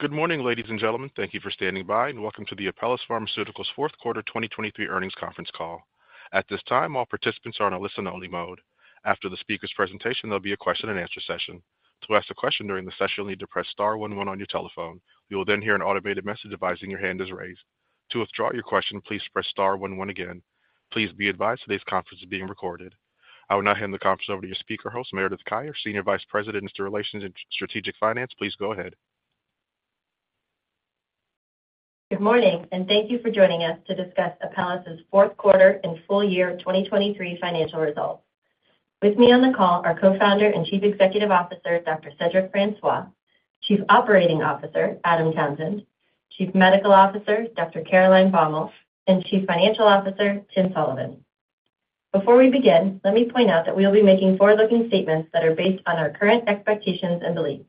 Good morning, ladies and gentlemen. Thank you for standing by, and welcome to the Apellis Pharmaceuticals Fourth Quarter 2023 Earnings Conference call. At this time, all participants are on a listen-only mode. After the speaker's presentation, there'll be a question-and-answer session. To ask a question during the session, you'll need to press star 11 on your telephone. You will then hear an automated message advising your hand is raised. To withdraw your question, please press star 11 again. Please be advised today's conference is being recorded. I will now hand the conference over to your speaker host, Meredith Kaya, Senior Vice President of Investor Relations and Strategic Finance, please go ahead. Good morning, and thank you for joining us to discuss Apellis's Fourth Quarter and Full Year 2023 financial results. With me on the call are Co-Founder and Chief Executive Officer Dr. Cedric Francois, Chief Operating Officer Adam Townsend, Chief Medical Officer Dr. Caroline Baumal, and Chief Financial Officer Tim Sullivan. Before we begin, let me point out that we will be making forward-looking statements that are based on our current expectations and beliefs.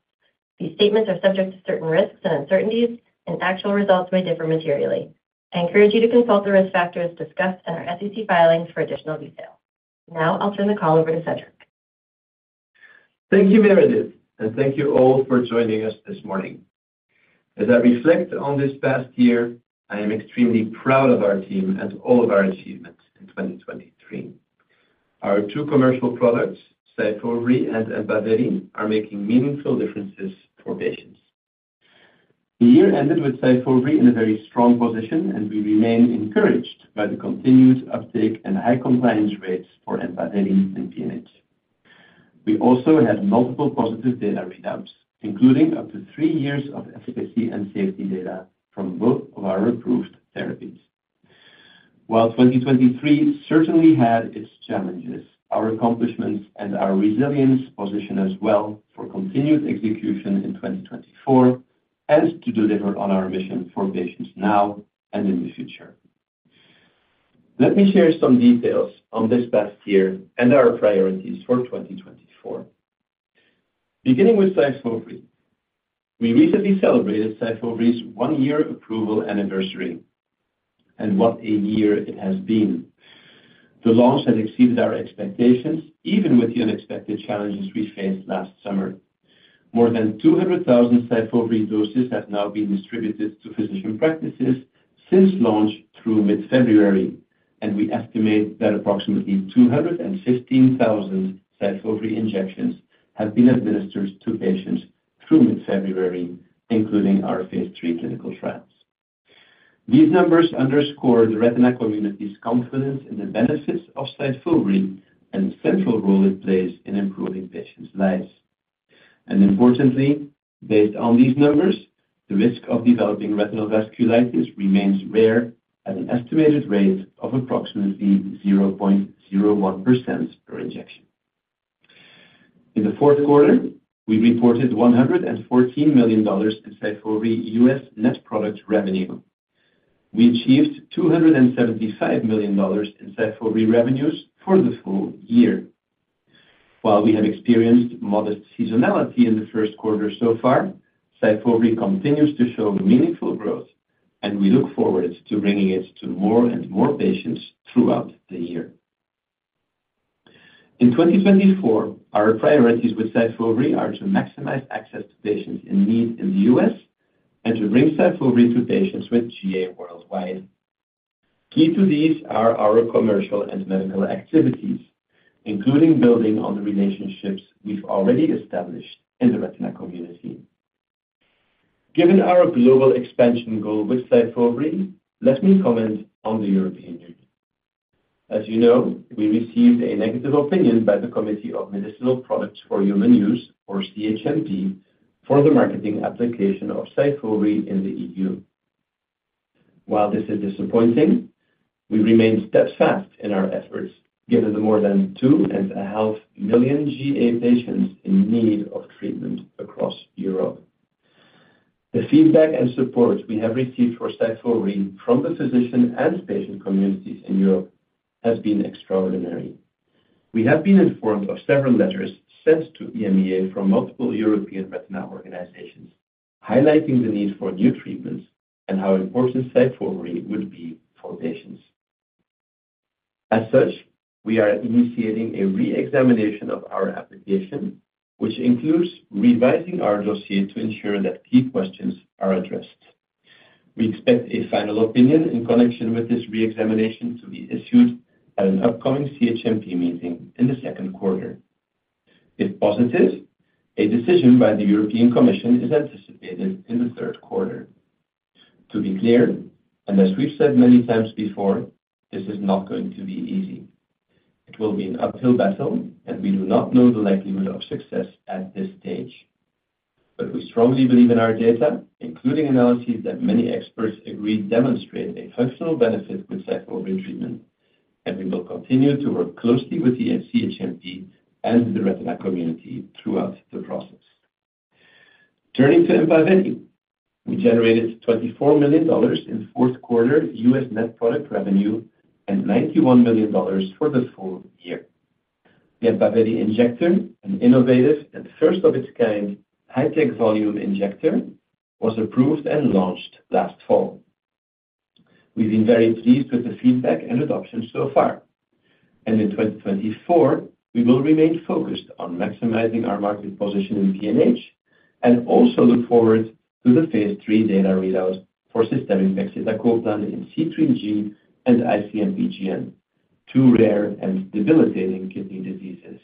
These statements are subject to certain risks and uncertainties, and actual results may differ materially. I encourage you to consult the risk factors discussed in our SEC filings for additional detail. Now I'll turn the call over to Cedric. Thank you, Meredith, and thank you all for joining us this morning. As I reflect on this past year, I am extremely proud of our team and all of our achievements in 2023. Our two commercial products, SYFOVRE and EMPAVELI, are making meaningful differences for patients. The year ended with SYFOVRE in a very strong position, and we remain encouraged by the continued uptake and high compliance rates for EMPAVELI and PNH. We also had multiple positive data readouts, including up to three years of efficacy and safety data from both of our approved therapies. While 2023 certainly had its challenges, our accomplishments and our resilience position us well for continued execution in 2024 and to deliver on our mission for patients now and in the future. Let me share some details on this past year and our priorities for 2024. Beginning with SYFOVRE, we recently celebrated SYFOVRE's one-year approval anniversary, and what a year it has been. The launch has exceeded our expectations, even with the unexpected challenges we faced last summer. More than 200,000 SYFOVRE doses have now been distributed to physician practices since launch through mid-February, and we estimate that approximately 215,000 SYFOVRE injections have been administered to patients through mid-February, including our Phase III clinical trials. These numbers underscore the retina community's confidence in the benefits of SYFOVRE and the central role it plays in improving patients' lives. And importantly, based on these numbers, the risk of developing retinal vasculitis remains rare at an estimated rate of approximately 0.01% per injection. In the fourth quarter, we reported $114 million in SYFOVRE US net product revenue. We achieved $275 million in SYFOVRE revenues for the full year. While we have experienced modest seasonality in the first quarter so far, SYFOVRE continues to show meaningful growth, and we look forward to bringing it to more and more patients throughout the year. In 2024, our priorities with SYFOVRE are to maximize access to patients in need in the U.S. and to bring SYFOVRE to patients with GA worldwide. Key to these are our commercial and medical activities, including building on the relationships we've already established in the retina community. Given our global expansion goal with SYFOVRE, let me comment on the European Union. As you know, we received a negative opinion by the Committee for Medicinal Products for Human Use, or CHMP, for the marketing application of SYFOVRE in the EU. While this is disappointing, we remain steadfast in our efforts given the more than 2.5 million GA patients in need of treatment across Europe. The feedback and support we have received for SYFOVRE from the physician and patient communities in Europe has been extraordinary. We have been informed of several letters sent to EMA from multiple European retina organizations, highlighting the need for new treatments and how important SYFOVRE would be for patients. As such, we are initiating a reexamination of our application, which includes revising our dossier to ensure that key questions are addressed. We expect a final opinion in connection with this reexamination to be issued at an upcoming CHMP meeting in the second quarter. If positive, a decision by the European Commission is anticipated in the third quarter. To be clear, and as we've said many times before, this is not going to be easy. It will be an uphill battle, and we do not know the likelihood of success at this stage. But we strongly believe in our data, including analyses that many experts agree demonstrate a functional benefit with SYFOVRE treatment, and we will continue to work closely with the CHMP and the retina community throughout the process. Turning to EMPAVELI, we generated $24 million in fourth quarter US net product revenue and $91 million for the full year. The EMPAVELI injector, an innovative and first-of-its-kind high-tech volume injector, was approved and launched last fall. We've been very pleased with the feedback and adoption so far. And in 2024, we will remain focused on maximizing our market position in PNH and also look forward to the phase III data readout for systemic pegcetacoplan in C3G and IC-MPGN, two rare and debilitating kidney diseases.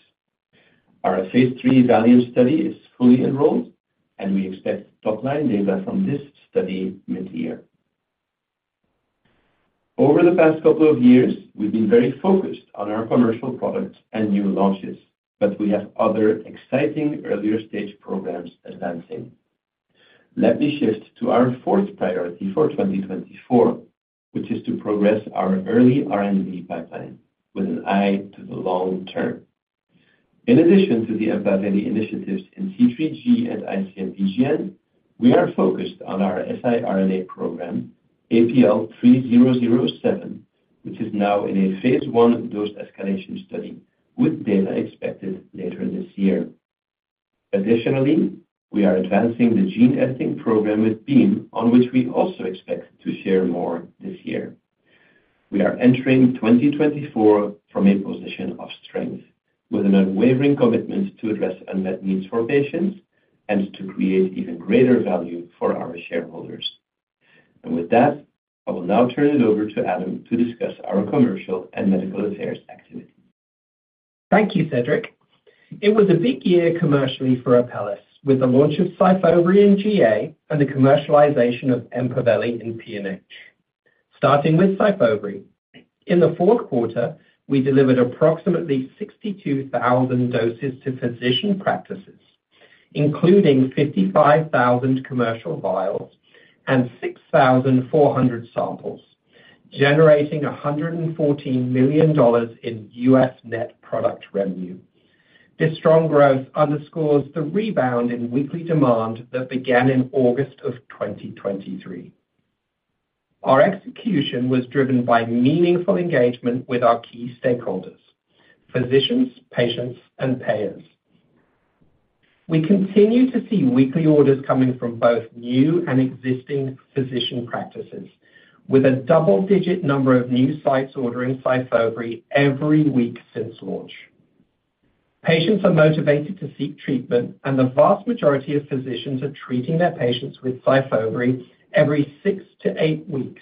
Our phase III VALIANT study is fully enrolled, and we expect top-line data from this study mid-year. Over the past couple of years, we've been very focused on our commercial products and new launches, but we have other exciting earlier-stage programs advancing. Let me shift to our fourth priority for 2024, which is to progress our early R&D pipeline with an eye to the long term. In addition to the EMPAVELI initiatives in C3G and IC-MPGN, we are focused on our siRNA program, APL-3007, which is now in a phase I dose escalation study with data expected later this year. Additionally, we are advancing the gene editing program with Beam, on which we also expect to share more this year. We are entering 2024 from a position of strength, with an unwavering commitment to address unmet needs for patients and to create even greater value for our shareholders. With that, I will now turn it over to Adam to discuss our commercial and medical affairs activities. Thank you, Cedric. It was a big year commercially for Apellis, with the launch of SYFOVRE in GA and the commercialization of EMPAVELI in PNH. Starting with SYFOVRE, in the fourth quarter, we delivered approximately 62,000 doses to physician practices, including 55,000 commercial vials and 6,400 samples, generating $114 million in U.S. net product revenue. This strong growth underscores the rebound in weekly demand that began in August of 2023. Our execution was driven by meaningful engagement with our key stakeholders: physicians, patients, and payers. We continue to see weekly orders coming from both new and existing physician practices, with a double-digit number of new sites ordering SYFOVRE every week since launch. Patients are motivated to seek treatment, and the vast majority of physicians are treating their patients with SYFOVRE every six to eight weeks,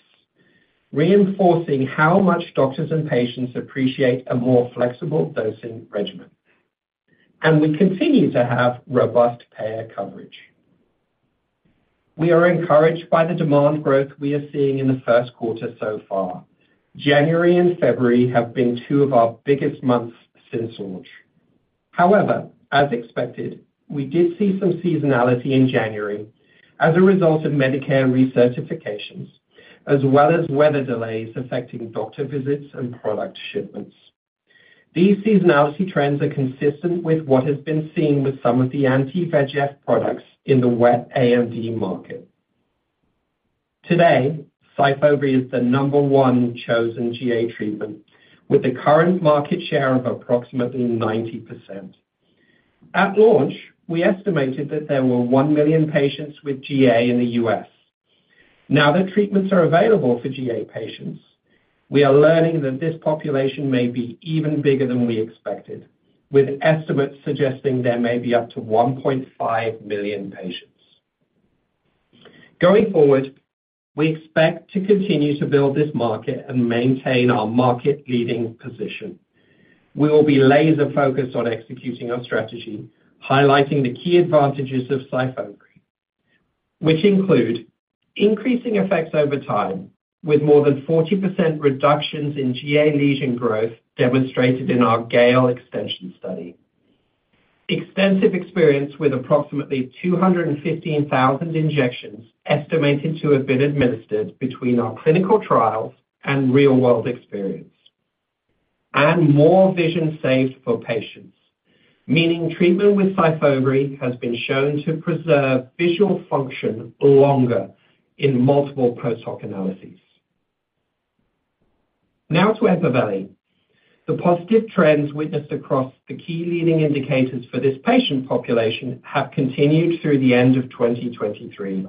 reinforcing how much doctors and patients appreciate a more flexible dosing regimen. We continue to have robust payer coverage. We are encouraged by the demand growth we are seeing in the first quarter so far. January and February have been two of our biggest months since launch. However, as expected, we did see some seasonality in January as a result of Medicare recertifications, as well as weather delays affecting doctor visits and product shipments. These seasonality trends are consistent with what has been seen with some of the anti-VEGF products in the wet AMD market. Today, SYFOVRE is the number one chosen GA treatment, with a current market share of approximately 90%. At launch, we estimated that there were 1 million patients with GA in the U.S. Now that treatments are available for GA patients, we are learning that this population may be even bigger than we expected, with estimates suggesting there may be up to 1.5 million patients. Going forward, we expect to continue to build this market and maintain our market-leading position. We will be laser-focused on executing our strategy, highlighting the key advantages of SYFOVRE, which include increasing effects over time with more than 40% reductions in GA lesion growth demonstrated in our GALE extension study, extensive experience with approximately 215,000 injections estimated to have been administered between our clinical trials and real-world experience, and more vision saved for patients, meaning treatment with SYFOVRE has been shown to preserve visual function longer in multiple post-hoc analyses. Now to EMPAVELI. The positive trends witnessed across the key leading indicators for this patient population have continued through the end of 2023.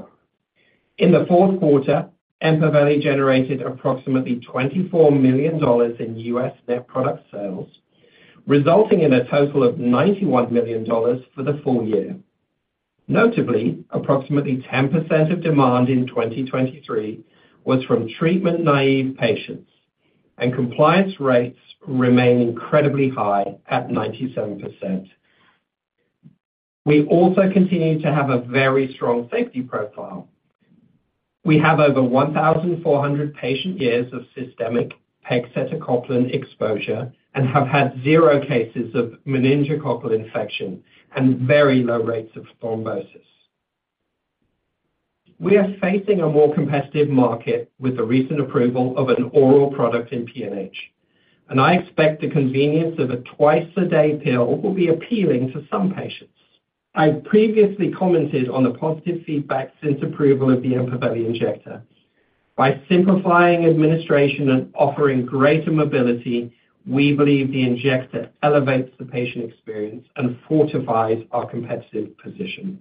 In the fourth quarter, EMPAVELI generated approximately $24 million in US net product sales, resulting in a total of $91 million for the full year. Notably, approximately 10% of demand in 2023 was from treatment-naïve patients, and compliance rates remain incredibly high at 97%. We also continue to have a very strong safety profile. We have over 1,400 patient years of systemic pegcetacoplan exposure and have had zero cases of meningococcal infection and very low rates of thrombosis. We are facing a more competitive market with the recent approval of an oral product in PNH, and I expect the convenience of a twice-a-day pill will be appealing to some patients. I've previously commented on the positive feedback since approval of the EMPAVELI injector. By simplifying administration and offering greater mobility, we believe the injector elevates the patient experience and fortifies our competitive position.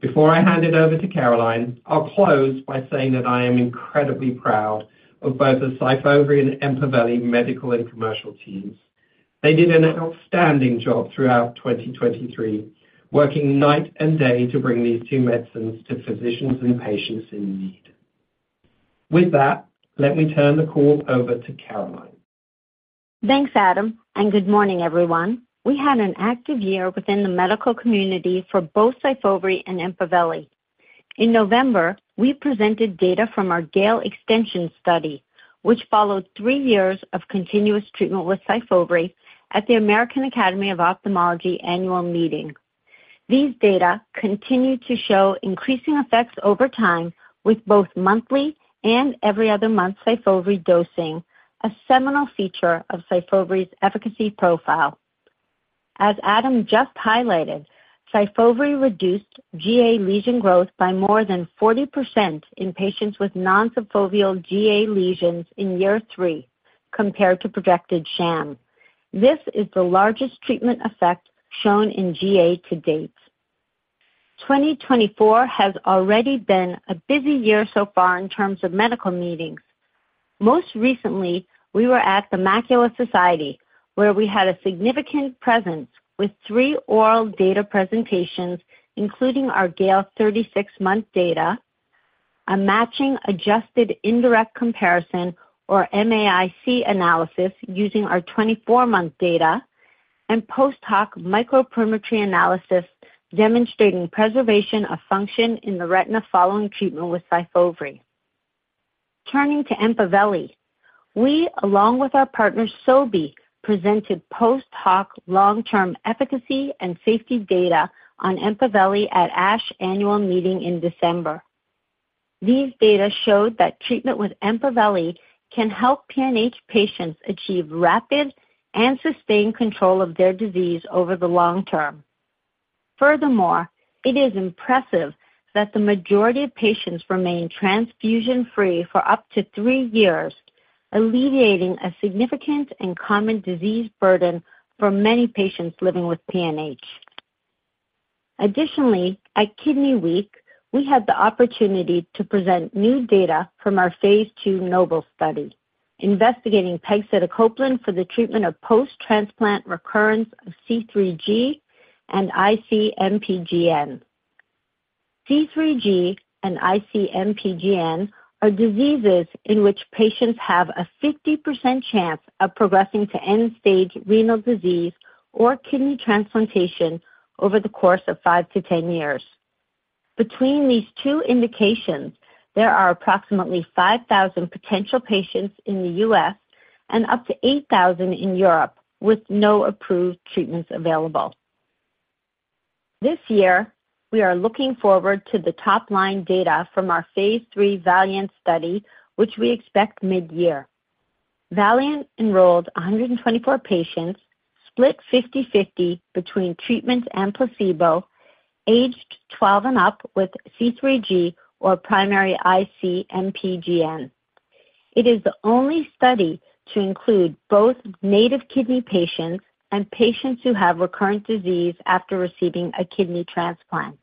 Before I hand it over to Caroline, I'll close by saying that I am incredibly proud of both the SYFOVRE and EMPAVELI medical and commercial teams. They did an outstanding job throughout 2023, working night and day to bring these two medicines to physicians and patients in need. With that, let me turn the call over to Caroline. Thanks, Adam, and good morning, everyone. We had an active year within the medical community for both SYFOVRE and EMPAVELI. In November, we presented data from our GALE extension study, which followed three years of continuous treatment with SYFOVRE at the American Academy of Ophthalmology annual meeting. These data continue to show increasing effects over time with both monthly and every other month SYFOVRE dosing, a seminal feature of SYFOVRE's efficacy profile. As Adam just highlighted, SYFOVRE reduced GA lesion growth by more than 40% in patients with non-subfoveal GA lesions in year three compared to projected sham. This is the largest treatment effect shown in GA to date. 2024 has already been a busy year so far in terms of medical meetings. Most recently, we were at the Macula Society, where we had a significant presence with three oral data presentations, including our GALE 36-month data, a matching adjusted indirect comparison, or MAIC, analysis using our 24-month data, and post-hoc microperimetry analysis demonstrating preservation of function in the retina following treatment with SYFOVRE. Turning to EMPAVELI, we, along with our partner Sobi, presented post-hoc long-term efficacy and safety data on EMPAVELI at ASH annual meeting in December. These data showed that treatment with EMPAVELI can help PNH patients achieve rapid and sustained control of their disease over the long term. Furthermore, it is impressive that the majority of patients remain transfusion-free for up to three years, alleviating a significant and common disease burden for many patients living with PNH. Additionally, at Kidney Week, we had the opportunity to present new data from our phase II NOBLE study, investigating pegcetacoplan for the treatment of post-transplant recurrence of C3G and IC-MPGN. C3G and IC-MPGN are diseases in which patients have a 50% chance of progressing to end-stage renal disease or kidney transplantation over the course of 5-10 years. Between these two indications, there are approximately 5,000 potential patients in the U.S. and up to 8,000 in Europe with no approved treatments available. This year, we are looking forward to the top-line data from our phase III VALIANT study, which we expect mid-year. VALIANT enrolled 124 patients, split 50/50 between treatment and placebo, aged 12 and up with C3G or primary IC-MPGN. It is the only study to include both native kidney patients and patients who have recurrent disease after receiving a kidney transplant.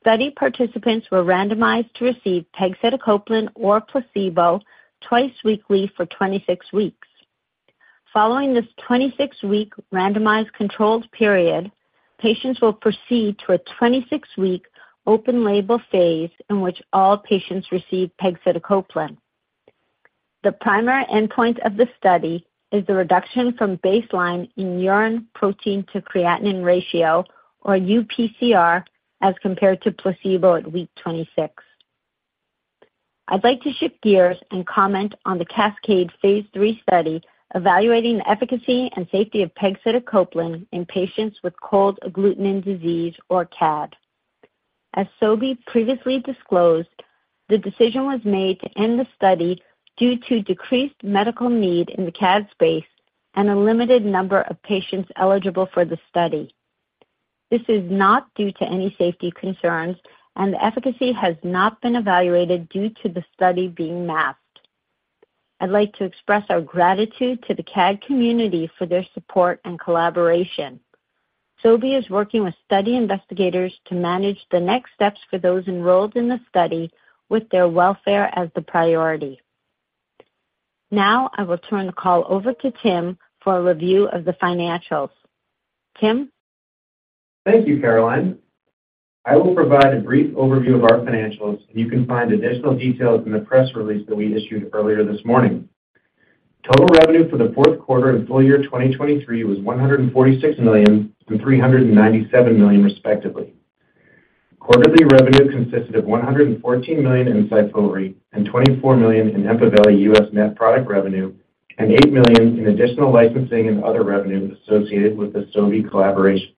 Study participants were randomized to receive pegcetacoplan or placebo twice weekly for 26 weeks. Following this 26-week randomized controlled period, patients will proceed to a 26-week open-label phase in which all patients receive pegcetacoplan. The primary endpoint of the study is the reduction from baseline urine protein-to-creatinine ratio, or UPCR, as compared to placebo at week 26. I'd like to shift gears and comment on the CASCADE Phase III study evaluating the efficacy and safety of pegcetacoplan in patients with cold agglutinin disease, or CAD. As Sobi previously disclosed, the decision was made to end the study due to decreased medical need in the CAD space and a limited number of patients eligible for the study. This is not due to any safety concerns, and the efficacy has not been evaluated due to the study being masked. I'd like to express our gratitude to the CAD community for their support and collaboration. Sobi is working with study investigators to manage the next steps for those enrolled in the study with their welfare as the priority. Now I will turn the call over to Tim for a review of the financials. Tim? Thank you, Caroline. I will provide a brief overview of our financials, and you can find additional details in the press release that we issued earlier this morning. Total revenue for the fourth quarter and full year 2023 was $146 million and $397 million, respectively. Quarterly revenue consisted of $114 million in SYFOVRE and $24 million in EMPAVELI U.S. net product revenue, and $8 million in additional licensing and other revenue associated with the Sobi collaboration.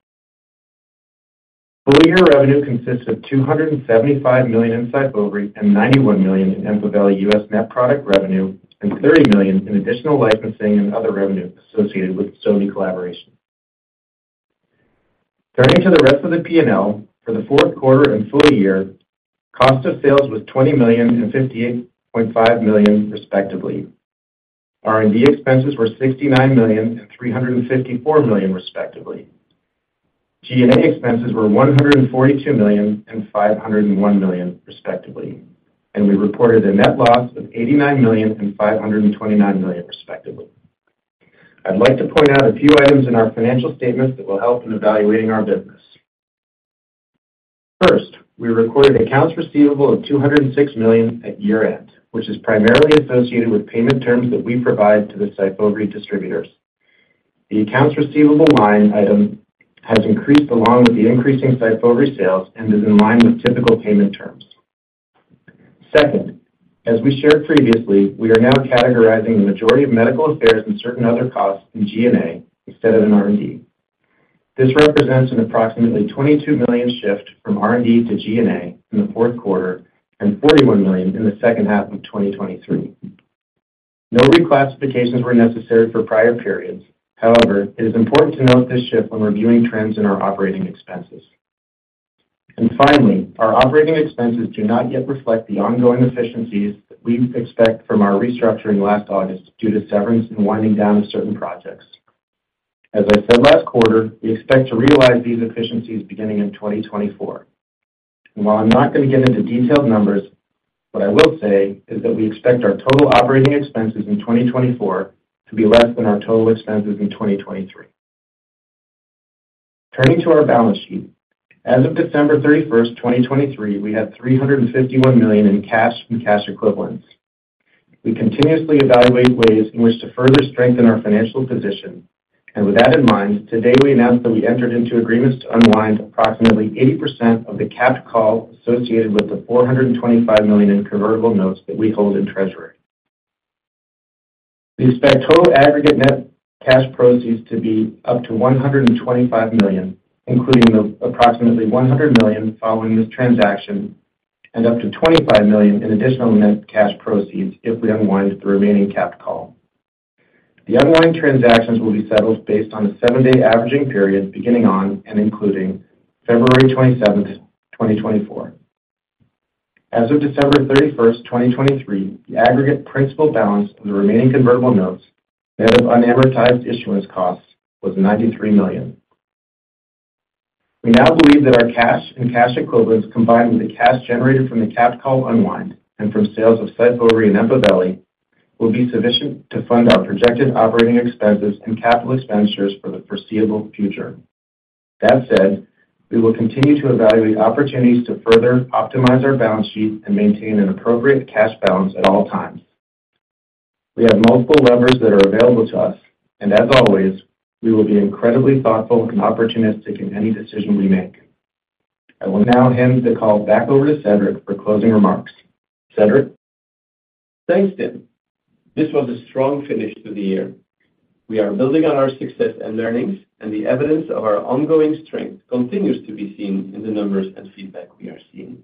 Full-year revenue consisted of $275 million in SYFOVRE and $91 million in EMPAVELI U.S. net product revenue, and $30 million in additional licensing and other revenue associated with the Sobi collaboration. Turning to the rest of the P&L, for the fourth quarter and full year, cost of sales was $20 million and $58.5 million, respectively. R&D expenses were $69 million and $354 million, respectively. G&A expenses were $142 million and $501 million, respectively, and we reported a net loss of $89 million and $529 million, respectively. I'd like to point out a few items in our financial statements that will help in evaluating our business. First, we recorded accounts receivable of $206 million at year-end, which is primarily associated with payment terms that we provide to the SYFOVRE distributors. The accounts receivable line item has increased along with the increasing SYFOVRE sales and is in line with typical payment terms. Second, as we shared previously, we are now categorizing the majority of medical affairs and certain other costs in G&A instead of in R&D. This represents an approximately $22 million shift from R&D to G&A in the fourth quarter and $41 million in the second half of 2023. No reclassifications were necessary for prior periods. However, it is important to note this shift when reviewing trends in our operating expenses. Finally, our operating expenses do not yet reflect the ongoing efficiencies that we expect from our restructuring last August due to severance and winding down of certain projects. As I said last quarter, we expect to realize these efficiencies beginning in 2024. And while I'm not going to get into detailed numbers, what I will say is that we expect our total operating expenses in 2024 to be less than our total expenses in 2023. Turning to our balance sheet, as of December 31st, 2023, we had $351 million in cash and cash equivalents. We continuously evaluate ways in which to further strengthen our financial position. With that in mind, today we announce that we entered into agreements to unwind approximately 80% of the capped call associated with the $425 million in convertible notes that we hold in treasury. We expect total aggregate net cash proceeds to be up to $125 million, including approximately $100 million following this transaction and up to $25 million in additional net cash proceeds if we unwind the remaining capped call. The unwind transactions will be settled based on a seven-day averaging period beginning on and including February 27th, 2024. As of December 31st, 2023, the aggregate principal balance of the remaining convertible notes, net of unamortized issuance costs, was $93 million. We now believe that our cash and cash equivalents, combined with the cash generated from the capped call unwind and from sales of SYFOVRE and EMPAVELI, will be sufficient to fund our projected operating expenses and capital expenditures for the foreseeable future. That said, we will continue to evaluate opportunities to further optimize our balance sheet and maintain an appropriate cash balance at all times. We have multiple levers that are available to us, and as always, we will be incredibly thoughtful and opportunistic in any decision we make. I will now hand the call back over to Cedric for closing remarks. Cedric? Thanks, Tim. This was a strong finish to the year. We are building on our success and learnings, and the evidence of our ongoing strength continues to be seen in the numbers and feedback we are seeing.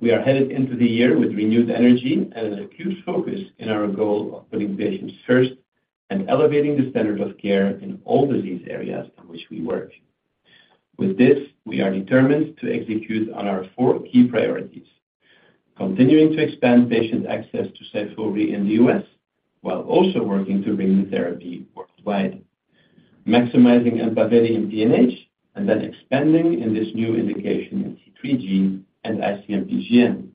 We are headed into the year with renewed energy and an acute focus in our goal of putting patients first and elevating the standard of care in all disease areas in which we work. With this, we are determined to execute on our four key priorities: continuing to expand patient access to SYFOVRE in the US while also working to bring the therapy worldwide, maximizing EMPAVELI in PNH and then expanding in this new indication in C3G and IC-MPGN,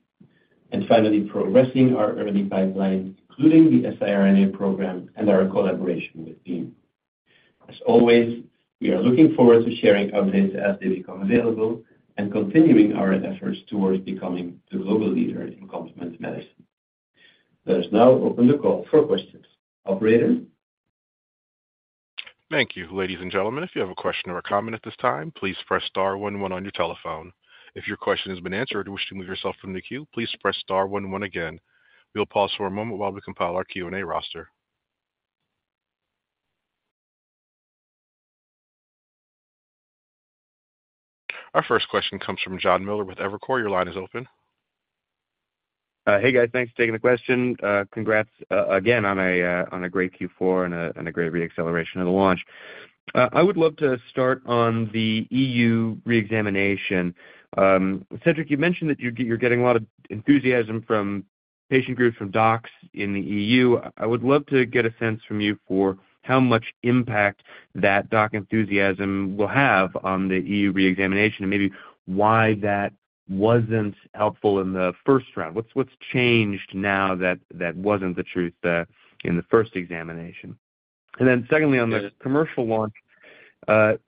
and finally progressing our early pipeline, including the siRNA program and our collaboration with Beam. As always, we are looking forward to sharing updates as they become available and continuing our efforts towards becoming the global leader in complement medicine. Let us now open the call for questions. Operator? Thank you. Ladies and gentlemen, if you have a question or a comment at this time, please press star 11 on your telephone. If your question has been answered or you wish to move yourself from the queue, please press star 11 again. We'll pause for a moment while we compile our Q&A roster. Our first question comes from John Miller with Evercore. Your line is open. Hey, guys. Thanks for taking the question. Congrats again on a great Q4 and a great reacceleration of the launch. I would love to start on the EU reexamination. Cedric, you mentioned that you're getting a lot of enthusiasm from patient groups from docs in the EU. I would love to get a sense from you for how much impact that doc enthusiasm will have on the EU reexamination and maybe why that wasn't helpful in the first round. What's changed now that wasn't the truth in the first examination? And then secondly, on the commercial launch,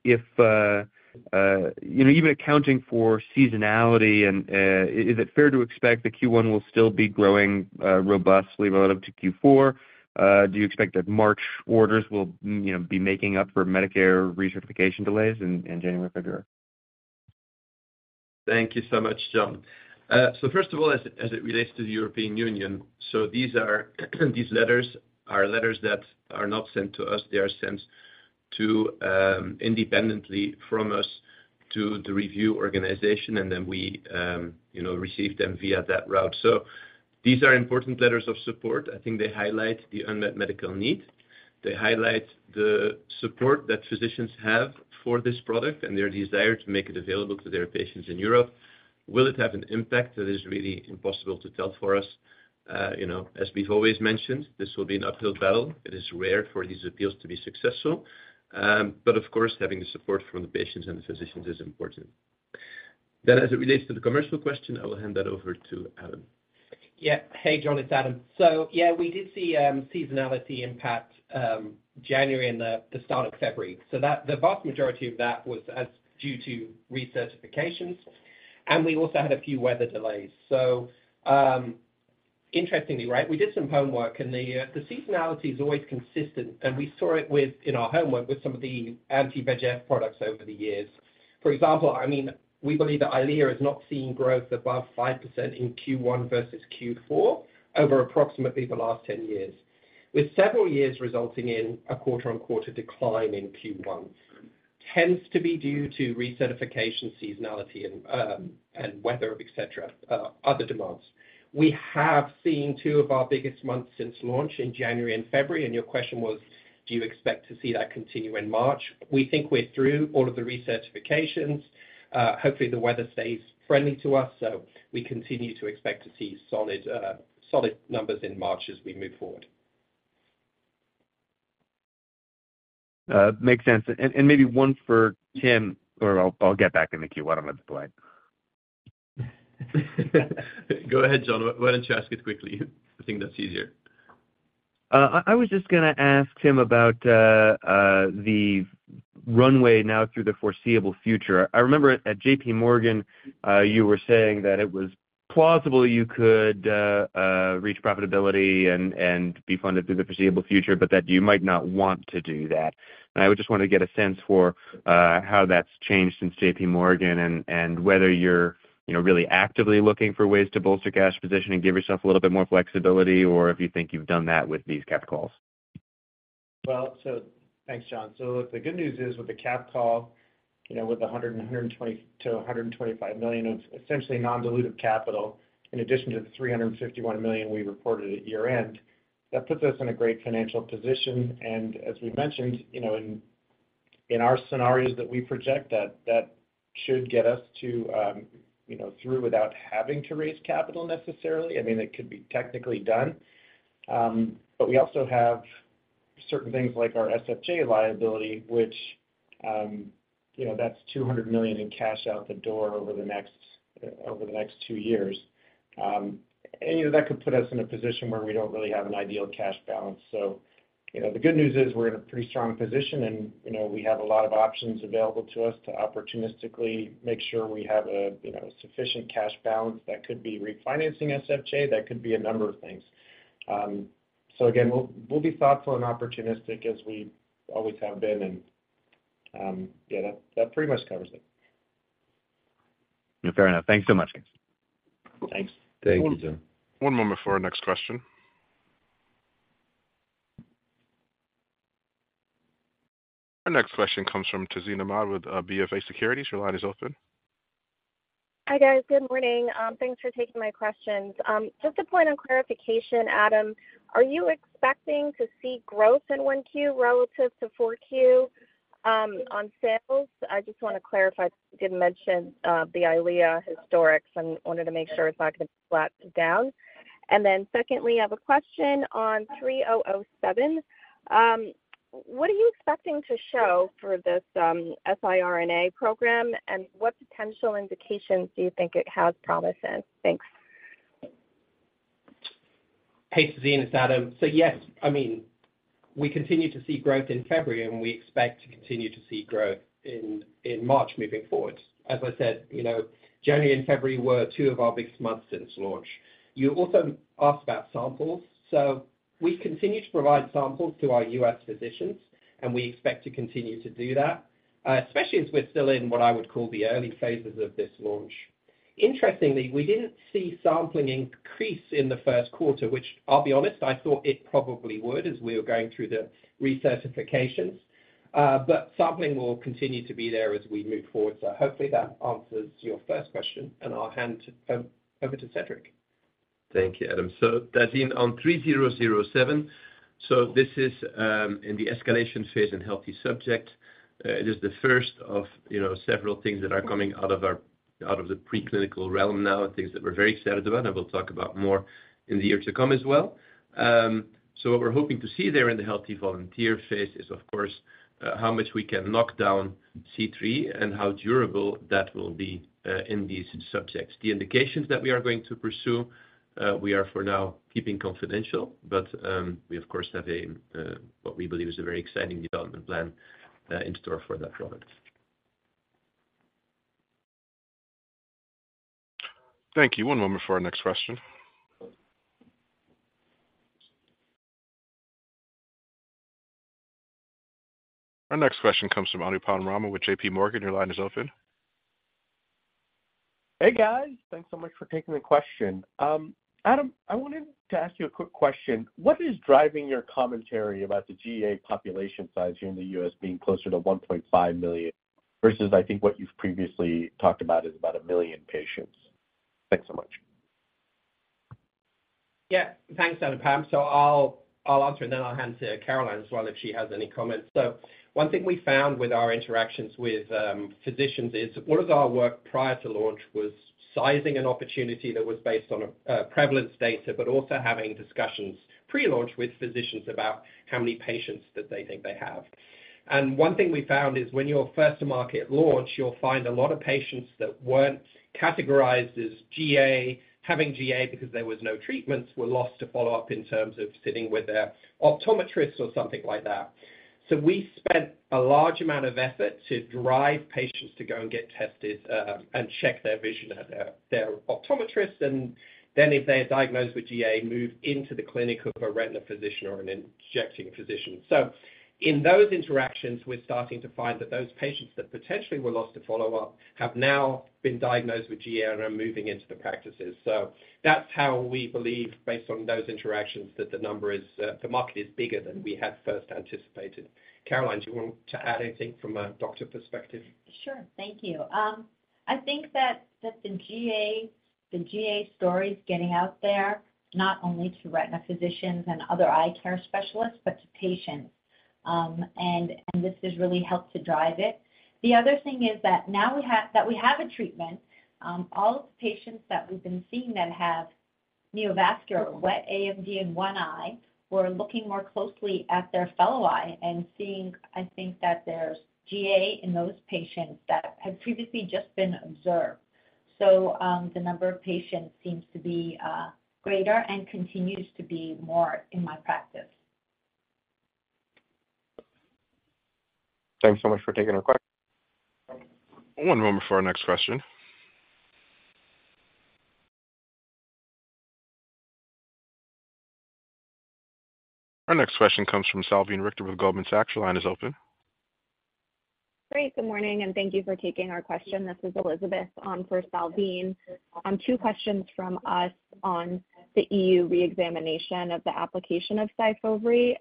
even accounting for seasonality, is it fair to expect that Q1 will still be growing robustly relative to Q4? Do you expect that March orders will be making up for Medicare recertification delays in January, February? Thank you so much, John. So first of all, as it relates to the European Union, so these letters are letters that are not sent to us. They are sent independently from us to the review organization, and then we receive them via that route. So these are important letters of support. I think they highlight the unmet medical need. They highlight the support that physicians have for this product and their desire to make it available to their patients in Europe. Will it have an impact? That is really impossible to tell for us. As we've always mentioned, this will be an uphill battle. It is rare for these appeals to be successful. But of course, having the support from the patients and the physicians is important. Then as it relates to the commercial question, I will hand that over to Adam. Yeah. Hey, John. It's Adam. So yeah, we did see seasonality impact January and the start of February. So the vast majority of that was due to recertifications. And we also had a few weather delays. So interestingly, right, we did some homework, and the seasonality is always consistent. And we saw it in our homework with some of the anti-VEGF products over the years. For example, I mean, we believe that Eylea is not seeing growth above 5% in Q1 versus Q4 over approximately the last 10 years, with several years resulting in a quarter-on-quarter decline in Q1. Tends to be due to recertification seasonality and weather, etc., other demands. We have seen two of our biggest months since launch in January and February. And your question was, do you expect to see that continue in March? We think we're through all of the recertifications. Hopefully, the weather stays friendly to us, so we continue to expect to see solid numbers in March as we move forward. Makes sense. And maybe one for Tim, or I'll get back in the queue. Why don't I just go ahead? Go ahead, John. Why don't you ask it quickly? I think that's easier. I was just going to ask Tim about the runway now through the foreseeable future. I remember at JPMorgan, you were saying that it was plausible you could reach profitability and be funded through the foreseeable future, but that you might not want to do that. I would just want to get a sense for how that's changed since JPMorgan and whether you're really actively looking for ways to bolster cash position and give yourself a little bit more flexibility or if you think you've done that with these capped calls. Well, so thanks, John. So the good news is with the capped call, with $100 million-$125 million of essentially non-dilutive capital in addition to the $351 million we reported at year-end, that puts us in a great financial position. And as we mentioned, in our scenarios that we project, that should get us through without having to raise capital necessarily. I mean, it could be technically done. But we also have certain things like our SFJ liability, which that's $200 million in cash out the door over the next two years. And that could put us in a position where we don't really have an ideal cash balance. So the good news is we're in a pretty strong position, and we have a lot of options available to us to opportunistically make sure we have a sufficient cash balance. That could be refinancing SFJ. That could be a number of things. So again, we'll be thoughtful and opportunistic as we always have been. Yeah, that pretty much covers it. Fair enough. Thanks so much, guys. Thanks. Thank you, John. One moment for our next question. Our next question comes from Tazeen Ahmad with BofA Securities. Your line is open. Hi, guys. Good morning. Thanks for taking my questions. Just a point of clarification, Adam, are you expecting to see growth in 1Q relative to 4Q on sales? I just want to clarify. Didn't mention the Eylea historics. I wanted to make sure it's not going to be flattened down. And then secondly, I have a question on 3007. What are you expecting to show for this siRNA program, and what potential indications do you think it has promise in? Thanks. Hey, Tazina. It's Adam. So yes, I mean, we continue to see growth in February, and we expect to continue to see growth in March moving forward. As I said, January and February were two of our biggest months since launch. You also asked about samples. So we continue to provide samples to our U.S. physicians, and we expect to continue to do that, especially as we're still in what I would call the early phases of this launch. Interestingly, we didn't see sampling increase in the first quarter, which, I'll be honest, I thought it probably would as we were going through the recertifications. But sampling will continue to be there as we move forward. So hopefully, that answers your first question. And I'll hand over to Cedric. Thank you, Adam. So Tazina, on 3007, so this is in the escalation phase in healthy subjects. It is the first of several things that are coming out of the preclinical realm now, things that we're very excited about, and we'll talk about more in the year to come as well. So what we're hoping to see there in the healthy volunteer phase is, of course, how much we can knock down C3 and how durable that will be in these subjects. The indications that we are going to pursue, we are for now keeping confidential, but we, of course, have what we believe is a very exciting development plan in store for that product. Thank you. One moment for our next question. Our next question comes from Anupam Rama with JPMorgan. Your line is open. Hey, guys. Thanks so much for taking the question. Adam, I wanted to ask you a quick question. What is driving your commentary about the GA population size here in the U.S. being closer to 1.5 million versus, I think, what you've previously talked about is about 1 million patients? Thanks so much. Yeah. Thanks, Anupam. So I'll answer, and then I'll hand to Caroline as well if she has any comments. So one thing we found with our interactions with physicians is one of our work prior to launch was sizing an opportunity that was based on prevalence data, but also having discussions pre-launch with physicians about how many patients that they think they have. And one thing we found is when your first-to-market launch, you'll find a lot of patients that weren't categorized as GA, having GA because there was no treatments, were lost to follow-up in terms of sitting with their optometrist or something like that. So we spent a large amount of effort to drive patients to go and get tested and check their vision at their optometrist, and then if they're diagnosed with GA, move into the clinic of a retina physician or an injecting physician. In those interactions, we're starting to find that those patients that potentially were lost to follow-up have now been diagnosed with GA and are moving into the practices. That's how we believe, based on those interactions, that the market is bigger than we had first anticipated. Caroline, do you want to add anything from a doctor perspective? Sure. Thank you. I think that the GA story is getting out there, not only to retina physicians and other eye care specialists, but to patients. And this has really helped to drive it. The other thing is that now we have a treatment. All of the patients that we've been seeing that have neovascular wet AMD in one eye were looking more closely at their fellow eye and seeing, I think, that there's GA in those patients that had previously just been observed. So the number of patients seems to be greater and continues to be more in my practice. Thanks so much for taking our question. One moment for our next question. Our next question comes from Salveen Richter with Goldman Sachs. Your line is open. Great. Good morning. Thank you for taking our question. This is Elizabeth for Salveen. Two questions from us on the EU reexamination of the application for SYFOVRE.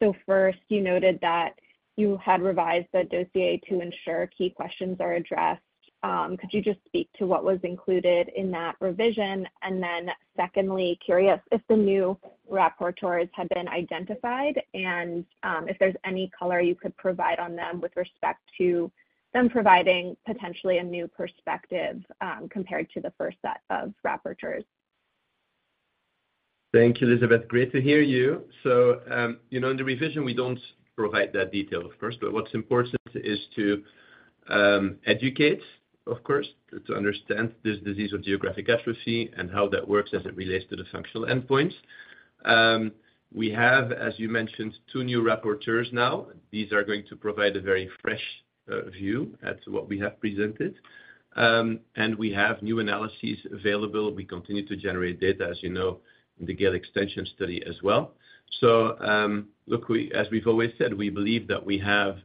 So first, you noted that you had revised the dossier to ensure key questions are addressed. Could you just speak to what was included in that revision? And then secondly, curious if the new rapporteurs had been identified and if there's any color you could provide on them with respect to them providing potentially a new perspective compared to the first set of rapporteurs? Thank you, Elizabeth. Great to hear you. So in the revision, we don't provide that detail, of course. But what's important is to educate, of course, to understand this disease of geographic atrophy and how that works as it relates to the functional endpoints. We have, as you mentioned, two new rapporteurs now. These are going to provide a very fresh view at what we have presented. And we have new analyses available. We continue to generate data, as you know, in the GALE Extension study as well. So look, as we've always said, we believe that we have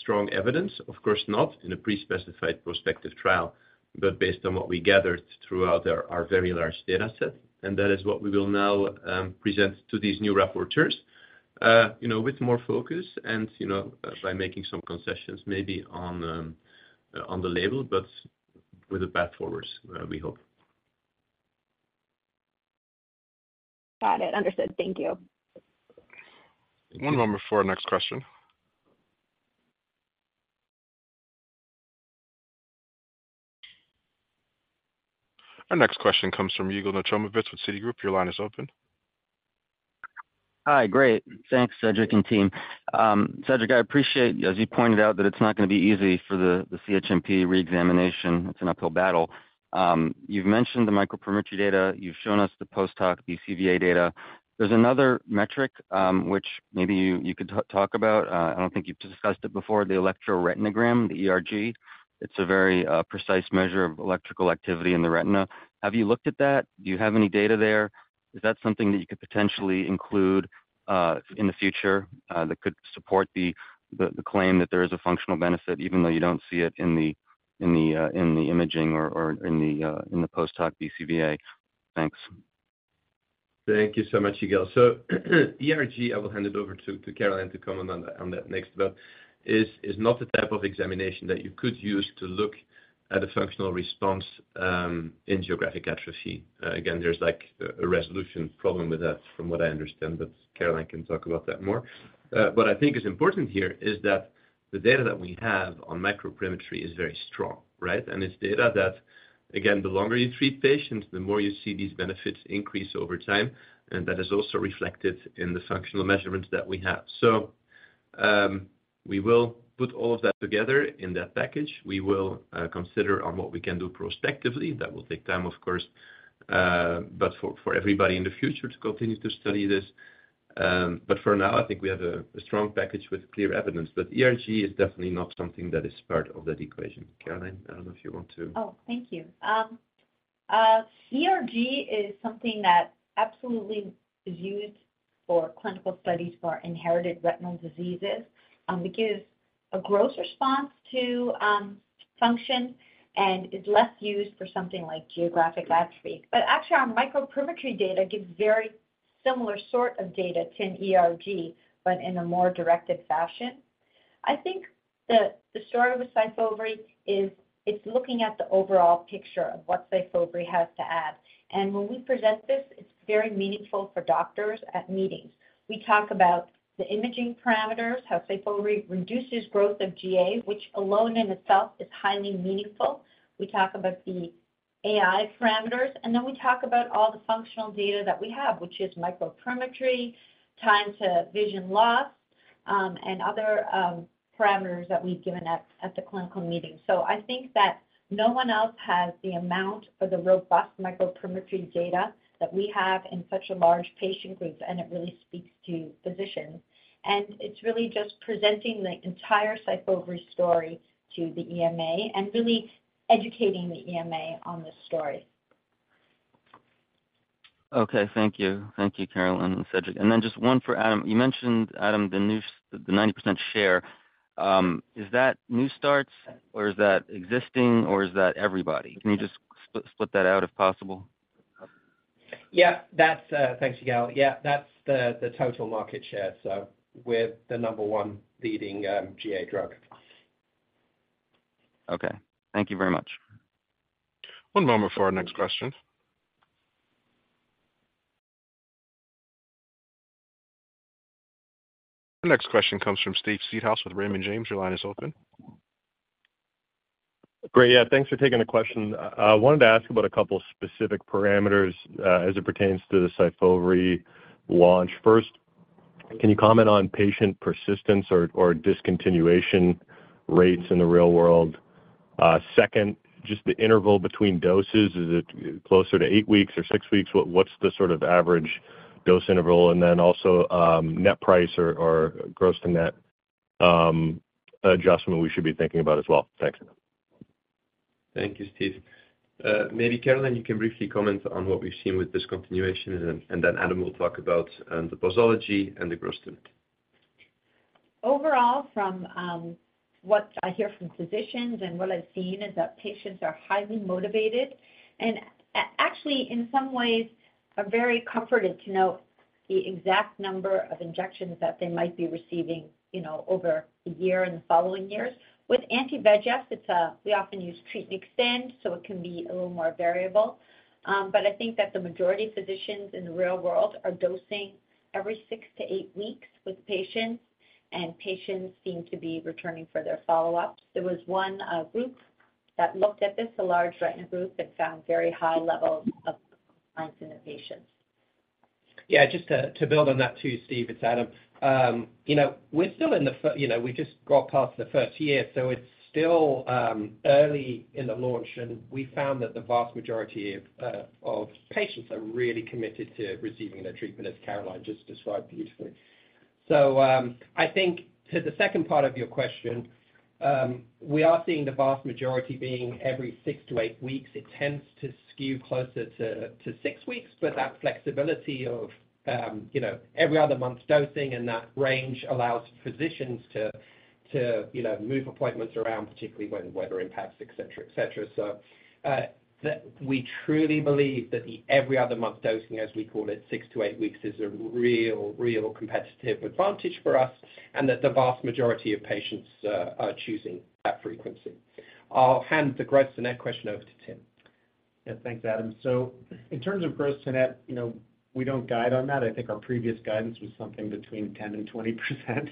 strong evidence. Of course, not in a pre-specified prospective trial, but based on what we gathered throughout our very large dataset. That is what we will now present to these new rapporteurs with more focus and by making some concessions maybe on the label, but with a path forward, we hope. Got it. Understood. Thank you. One moment for our next question. Our next question comes from Yigal Nochomovitz with Citigroup. Your line is open. Hi. Great. Thanks, Cedric and team. Cedric, I appreciate, as you pointed out, that it's not going to be easy for the CHMP reexamination. It's an uphill battle. You've mentioned the microperimetry data. You've shown us the post-hoc BCVA data. There's another metric which maybe you could talk about. I don't think you've discussed it before, the electroretinogram, the ERG. It's a very precise measure of electrical activity in the retina. Have you looked at that? Do you have any data there? Is that something that you could potentially include in the future that could support the claim that there is a functional benefit even though you don't see it in the imaging or in the post-hoc BCVA? Thanks. Thank you so much, Yigul. So, ERG, I will hand it over to Caroline to comment on that next. But it's not the type of examination that you could use to look at a functional response in geographic atrophy. Again, there's a resolution problem with that from what I understand, but Caroline can talk about that more. But I think what's important here is that the data that we have on microperimetry is very strong, right? And it's data that, again, the longer you treat patients, the more you see these benefits increase over time. And that is also reflected in the functional measurements that we have. So we will put all of that together in that package. We will consider what we can do prospectively. That will take time, of course, but for everybody in the future to continue to study this. But for now, I think we have a strong package with clear evidence. But ERG is definitely not something that is part of that equation. Caroline, I don't know if you want to. Oh, thank you. ERG is something that absolutely is used for clinical studies for inherited retinal diseases. It gives a gross response to function and is less used for something like geographic atrophy. But actually, our microperimetry data gives a very similar sort of data to an ERG, but in a more directed fashion. I think the story with SYFOVRE is it's looking at the overall picture of what SYFOVRE has to add. And when we present this, it's very meaningful for doctors at meetings. We talk about the imaging parameters, how SYFOVRE reduces growth of GA, which alone in itself is highly meaningful. We talk about the BCVA parameters. And then we talk about all the functional data that we have, which is microperimetry, time to vision loss, and other parameters that we've given at the clinical meeting. I think that no one else has the amount or the robust microperimetry data that we have in such a large patient group, and it really speaks to physicians. It's really just presenting the entire SYFOVRE story to the EMA and really educating the EMA on this story. Okay. Thank you. Thank you, Caroline and Cedric. And then just one for Adam. You mentioned, Adam, the 90% share. Is that new starts, or is that existing, or is that everybody? Can you just split that out if possible? Yeah. Thanks, Yigul. Yeah, that's the total market share. So we're the number one leading GA drug. Okay. Thank you very much. One moment for our next question. Our next question comes from Steve Seedhouse with Raymond James. Your line is open. Great. Yeah. Thanks for taking the question. I wanted to ask about a couple of specific parameters as it pertains to the SYFOVRE launch. First, can you comment on patient persistence or discontinuation rates in the real world? Second, just the interval between doses. Is it closer to 8 weeks or 6 weeks? What's the sort of average dose interval? And then also net price or gross-to-net adjustment we should be thinking about as well. Thanks. Thank you, Steve. Maybe, Caroline, you can briefly comment on what we've seen with discontinuation, and then Adam will talk about the posology and the gross-to-net. Overall, from what I hear from physicians and what I've seen is that patients are highly motivated and actually, in some ways, are very comforted to know the exact number of injections that they might be receiving over a year and the following years. With anti-VEGF, we often use treat and extend, so it can be a little more variable. But I think that the majority of physicians in the real world are dosing every 6-8 weeks with patients, and patients seem to be returning for their follow-ups. There was one group that looked at this, a large retina group, and found very high levels of compliance in the patients. Yeah. Just to build on that too, Steve, it's Adam. We're still in the we just got past the first year, so it's still early in the launch. And we found that the vast majority of patients are really committed to receiving their treatment, as Caroline just described beautifully. So I think to the second part of your question, we are seeing the vast majority being every 6-8 weeks. It tends to skew closer to 6 weeks, but that flexibility of every other month dosing and that range allows physicians to move appointments around, particularly when weather impacts, etc., etc. So we truly believe that the every other month dosing, as we call it, 6-8 weeks, is a real, real competitive advantage for us and that the vast majority of patients are choosing that frequency. I'll hand the gross-to-net question over to Tim. Yeah. Thanks, Adam. So in terms of gross-to-net, we don't guide on that. I think our previous guidance was something between 10%-20%.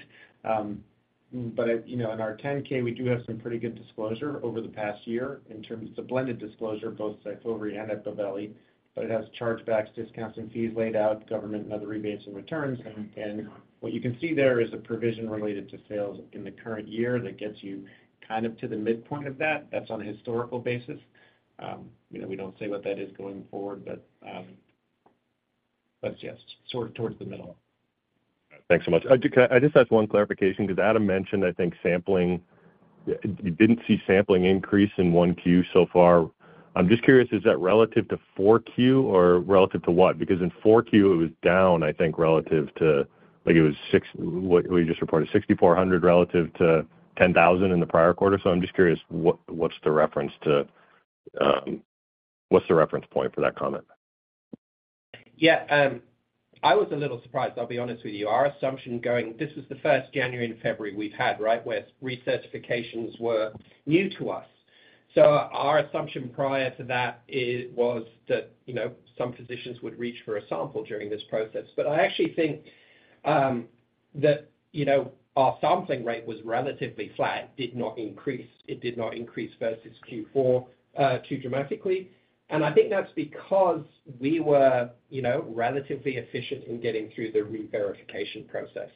But in our 10-K, we do have some pretty good disclosure over the past year in terms it's a blended disclosure, both SYFOVRE and EMPAVELI, but it has chargebacks, discounts, and fees laid out, government and other rebates and returns. And what you can see there is a provision related to sales in the current year that gets you kind of to the midpoint of that. That's on a historical basis. We don't say what that is going forward, but it's just sort of towards the middle. Thanks so much. I just have one clarification because Adam mentioned, I think, sampling. You didn't see sampling increase in 1Q so far. I'm just curious, is that relative to 4Q or relative to what? Because in 4Q, it was down, I think, relative to it was what we just reported, 6,400 relative to 10,000 in the prior quarter. So I'm just curious, what's the reference to what's the reference point for that comment? Yeah. I was a little surprised, I'll be honest with you. Our assumption going this was the first January and February we've had, right, where recertifications were new to us. So our assumption prior to that was that some physicians would reach for a sample during this process. But I actually think that our sampling rate was relatively flat. It did not increase versus Q4 too dramatically. And I think that's because we were relatively efficient in getting through the recertification process.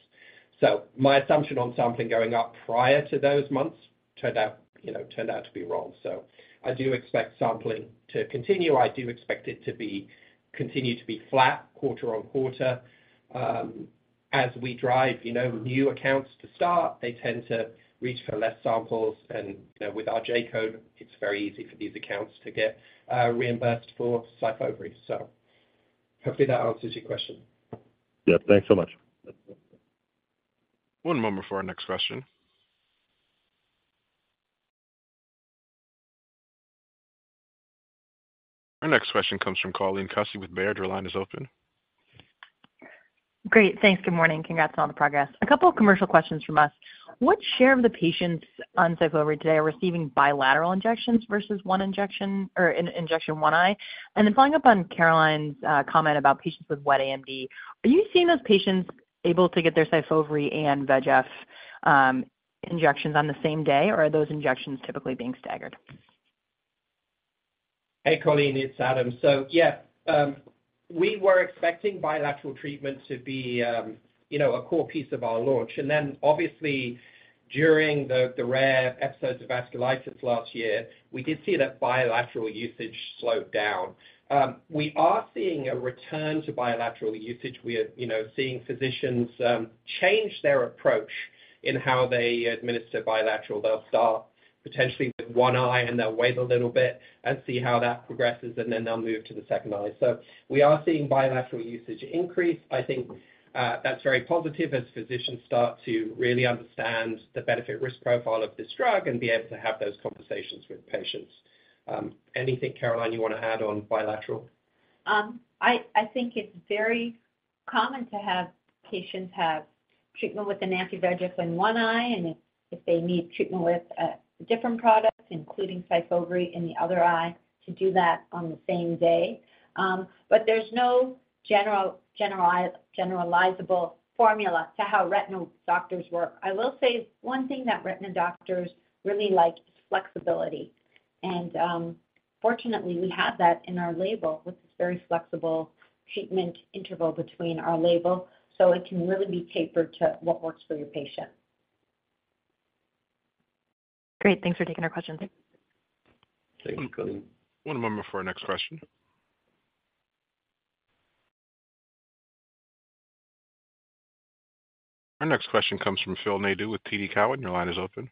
So my assumption on sampling going up prior to those months turned out to be wrong. So I do expect sampling to continue. I do expect it to continue to be flat quarter-over-quarter. As we drive new accounts to start, they tend to reach for less samples. And with our J-code, it's very easy for these accounts to get reimbursed for SYFOVRE. Hopefully, that answers your question. Yep. Thanks so much. One moment for our next question. Our next question comes from Colleen Kusy with Baird. Your line is open. Great. Thanks. Good morning. Congrats on all the progress. A couple of commercial questions from us. What share of the patients on SYFOVRE today are receiving bilateral injections versus one injection or injection one eye? And then following up on Caroline's comment about patients with wet AMD, are you seeing those patients able to get their SYFOVRE and VEGF injections on the same day, or are those injections typically being staggered? Hey, Colleen. It's Adam. So yeah, we were expecting bilateral treatment to be a core piece of our launch. And then obviously, during the rare episodes of vasculitis last year, we did see that bilateral usage slowed down. We are seeing a return to bilateral usage. We are seeing physicians change their approach in how they administer bilateral. They'll start potentially with one eye, and they'll wait a little bit and see how that progresses, and then they'll move to the second eye. So we are seeing bilateral usage increase. I think that's very positive as physicians start to really understand the benefit-risk profile of this drug and be able to have those conversations with patients. Anything, Caroline, you want to add on bilateral? I think it's very common to have patients have treatment with an anti-VEGF in one eye and if they need treatment with a different product, including SYFOVRE, in the other eye, to do that on the same day. But there's no generalizable formula to how retina doctors work. I will say one thing that retina doctors really like is flexibility. Fortunately, we have that in our label with this very flexible treatment interval between our label, so it can really be tapered to what works for your patient. Great. Thanks for taking our questions. Thank you, Colleen. One moment for our next question. Our next question comes from Phil Nadeau with TD Cowen. Your line is open.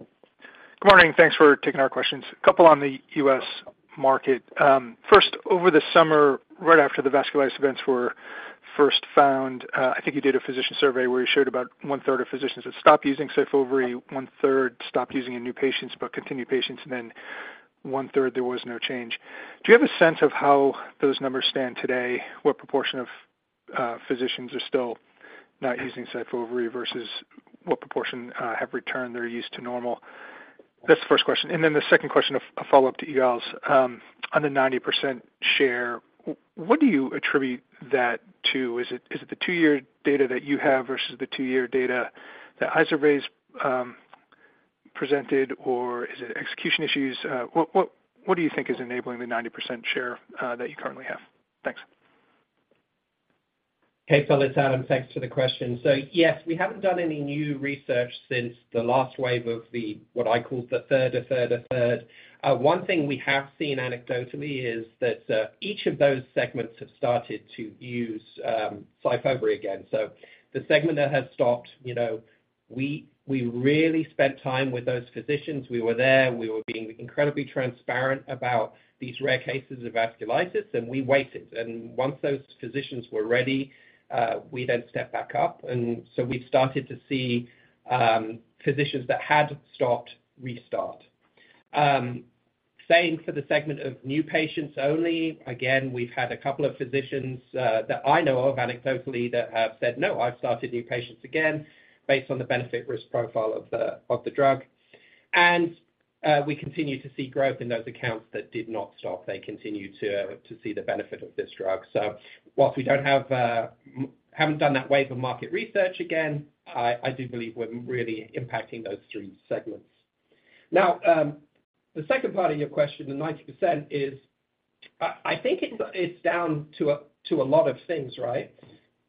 Good morning. Thanks for taking our questions. A couple on the US market. First, over the summer, right after the vasculitis events were first found, I think you did a physician survey where you showed about one-third of physicians had stopped using SYFOVRE, one-third stopped using in new patients but continued patients, and then one-third there was no change. Do you have a sense of how those numbers stand today, what proportion of physicians are still not using SYFOVRE versus what proportion have returned their use to normal? That's the first question. And then the second question, a follow-up to Yigul's. On the 90% share, what do you attribute that to? Is it the two-year data that you have versus the two-year data that IZERVAY presented, or is it execution issues? What do you think is enabling the 90% share that you currently have? Thanks. Hey, Phil. It's Adam. Thanks for the question. So yes, we haven't done any new research since the last wave of what I call the third, a third, a third. One thing we have seen anecdotally is that each of those segments have started to use SYFOVRE again. So the segment that has stopped, we really spent time with those physicians. We were there. We were being incredibly transparent about these rare cases of vasculitis, and we waited. And once those physicians were ready, we then stepped back up. And so we've started to see physicians that had stopped restart. Same for the segment of new patients only. Again, we've had a couple of physicians that I know of anecdotally that have said, "No, I've started new patients again," based on the benefit-risk profile of the drug. And we continue to see growth in those accounts that did not stop. They continue to see the benefit of this drug. So while we haven't done that wave of market research again, I do believe we're really impacting those three segments. Now, the second part of your question, the 90%, is I think it's down to a lot of things, right?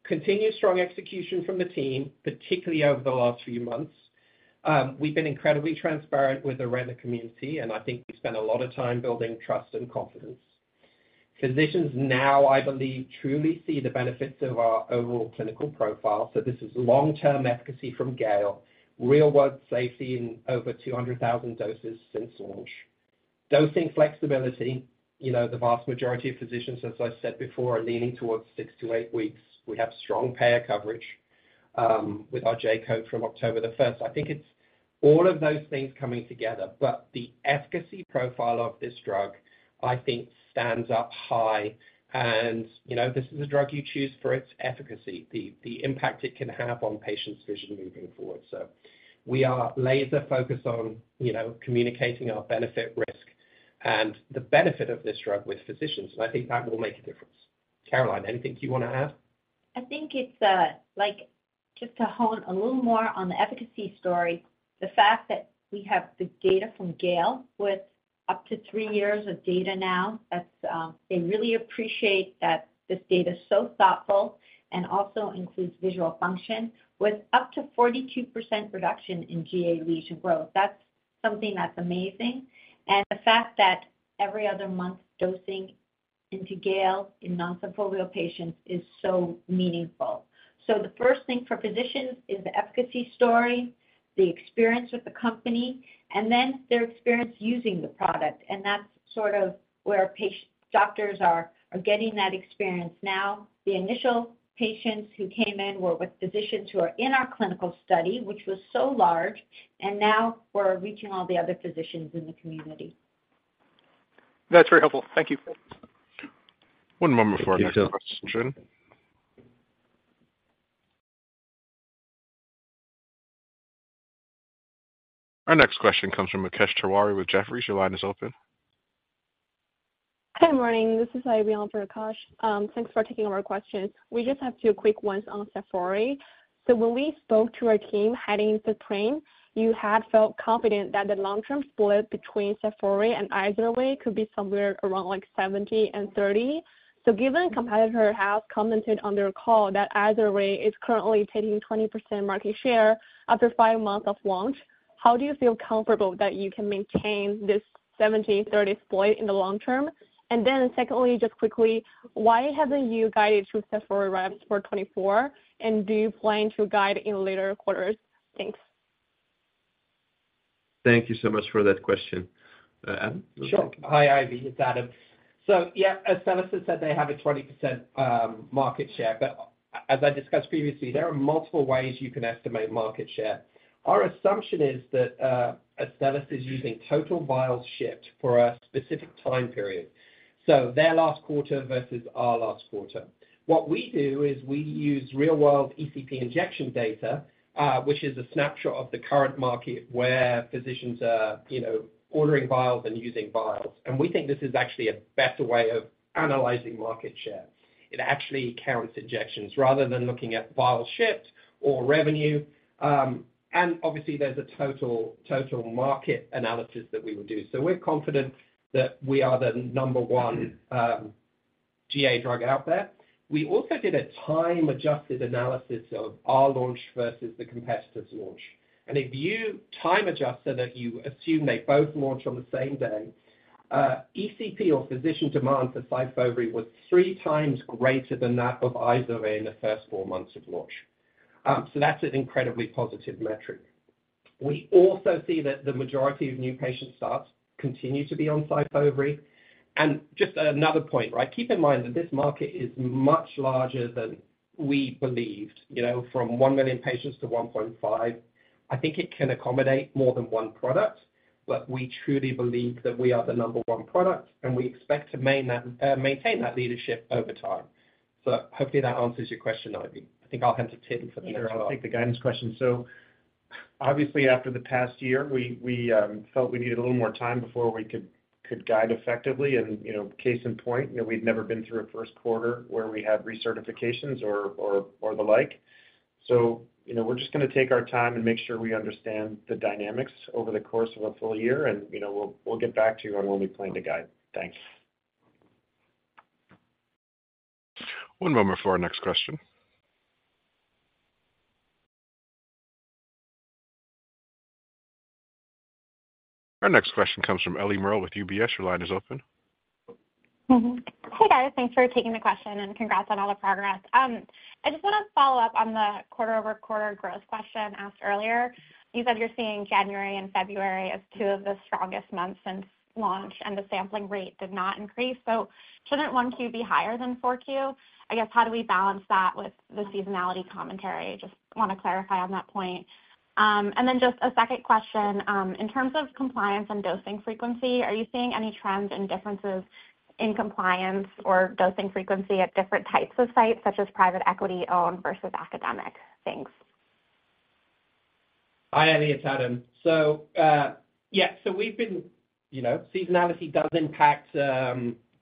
Continued strong execution from the team, particularly over the last few months. We've been incredibly transparent with the retina community, and I think we've spent a lot of time building trust and confidence. Physicians now, I believe, truly see the benefits of our overall clinical profile. So this is long-term efficacy from GALE, real-world safety in over 200,000 doses since launch, dosing flexibility. The vast majority of physicians, as I said before, are leaning towards six to eight weeks. We have strong payer coverage with our J-code from October the 1st. I think it's all of those things coming together, but the efficacy profile of this drug, I think, stands up high. And this is a drug you choose for its efficacy, the impact it can have on patients' vision moving forward. So we are laser-focused on communicating our benefit-risk and the benefit of this drug with physicians, and I think that will make a difference. Caroline, anything you want to add? I think just to hone a little more on the efficacy story, the fact that we have the data from GALE with up to three years of data now. They really appreciate that this data is so thoughtful and also includes visual function with up to 42% reduction in GA lesion growth. That's something that's amazing. And the fact that every other month dosing into GALE in non-SYFOVRE patients is so meaningful. So the first thing for physicians is the efficacy story, the experience with the company, and then their experience using the product. And that's sort of where doctors are getting that experience now. The initial patients who came in were with physicians who are in our clinical study, which was so large, and now we're reaching all the other physicians in the community. That's very helpful. Thank you. One moment for our next question. Our next question comes from Akash Tewari with Jefferies. Your line is open. Hi, morning. This is Ivy Ma for Akash. Thanks for taking our questions. We just have two quick ones on SYFOVRE. So when we spoke to our team heading to train, you had felt confident that the long-term split between SYFOVRE and IZERVAY could be somewhere around 70 and 30. So given competitors have commented on their call that IZERVAY is currently taking 20% market share after 5 months of launch, how do you feel comfortable that you can maintain this 70/30 split in the long term? And then secondly, just quickly, why haven't you guided to SYFOVRE revs for '24, and do you plan to guide in later quarters? Thanks. Thank you so much for that question. Adam? Sure. Hi, Ivy. It's Adam. So yeah, Astellas has said they have a 20% market share. But as I discussed previously, there are multiple ways you can estimate market share. Our assumption is that Astellas is using total vials shipped for a specific time period, so their last quarter versus our last quarter. What we do is we use real-world ECP injection data, which is a snapshot of the current market where physicians are ordering vials and using vials. And we think this is actually a better way of analyzing market share. It actually counts injections rather than looking at vials shipped or revenue. And obviously, there's a total market analysis that we would do. So we're confident that we are the number one GA drug out there. We also did a time-adjusted analysis of our launch versus the competitor's launch. If you time-adjust so that you assume they both launch on the same day, ECP or physician demand for SYFOVRE was 3 times greater than that of IZERVAY in the first 4 months of launch. So that's an incredibly positive metric. We also see that the majority of new patient starts continue to be on SYFOVRE. And just another point, right? Keep in mind that this market is much larger than we believed. From 1 million patients to 1.5, I think it can accommodate more than one product, but we truly believe that we are the number one product, and we expect to maintain that leadership over time. So hopefully, that answers your question, Ivy. I think I'll hand to Tim for the next follow-up. I'll take the guidance question. So obviously, after the past year, we felt we needed a little more time before we could guide effectively. Case in point, we'd never been through a first quarter where we had recertifications or the like. So we're just going to take our time and make sure we understand the dynamics over the course of a full year, and we'll get back to you on when we plan to guide. Thanks. One moment for our next question. Our next question comes from Ellie Merle with UBS. Your line is open. Hey, Adam. Thanks for taking the question, and congrats on all the progress. I just want to follow up on the quarter-over-quarter growth question asked earlier. You said you're seeing January and February as two of the strongest months since launch, and the sampling rate did not increase. So shouldn't 1Q be higher than 4Q? I guess, how do we balance that with the seasonality commentary? Just want to clarify on that point. And then just a second question. In terms of compliance and dosing frequency, are you seeing any trends and differences in compliance or dosing frequency at different types of sites, such as private equity-owned versus academic? Thanks. Hi, Ivy. It's Adam. So yeah, so seasonality does impact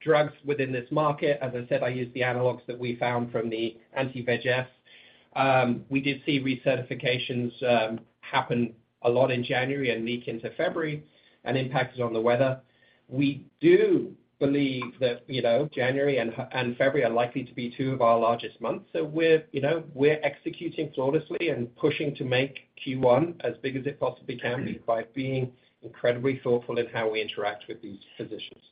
drugs within this market. As I said, I use the analogs that we found from the anti-VEGF. We did see recertifications happen a lot in January and leak into February and impacted on the weather. We do believe that January and February are likely to be two of our largest months. So we're executing flawlessly and pushing to make Q1 as big as it possibly can be by being incredibly thoughtful in how we interact with these physicians.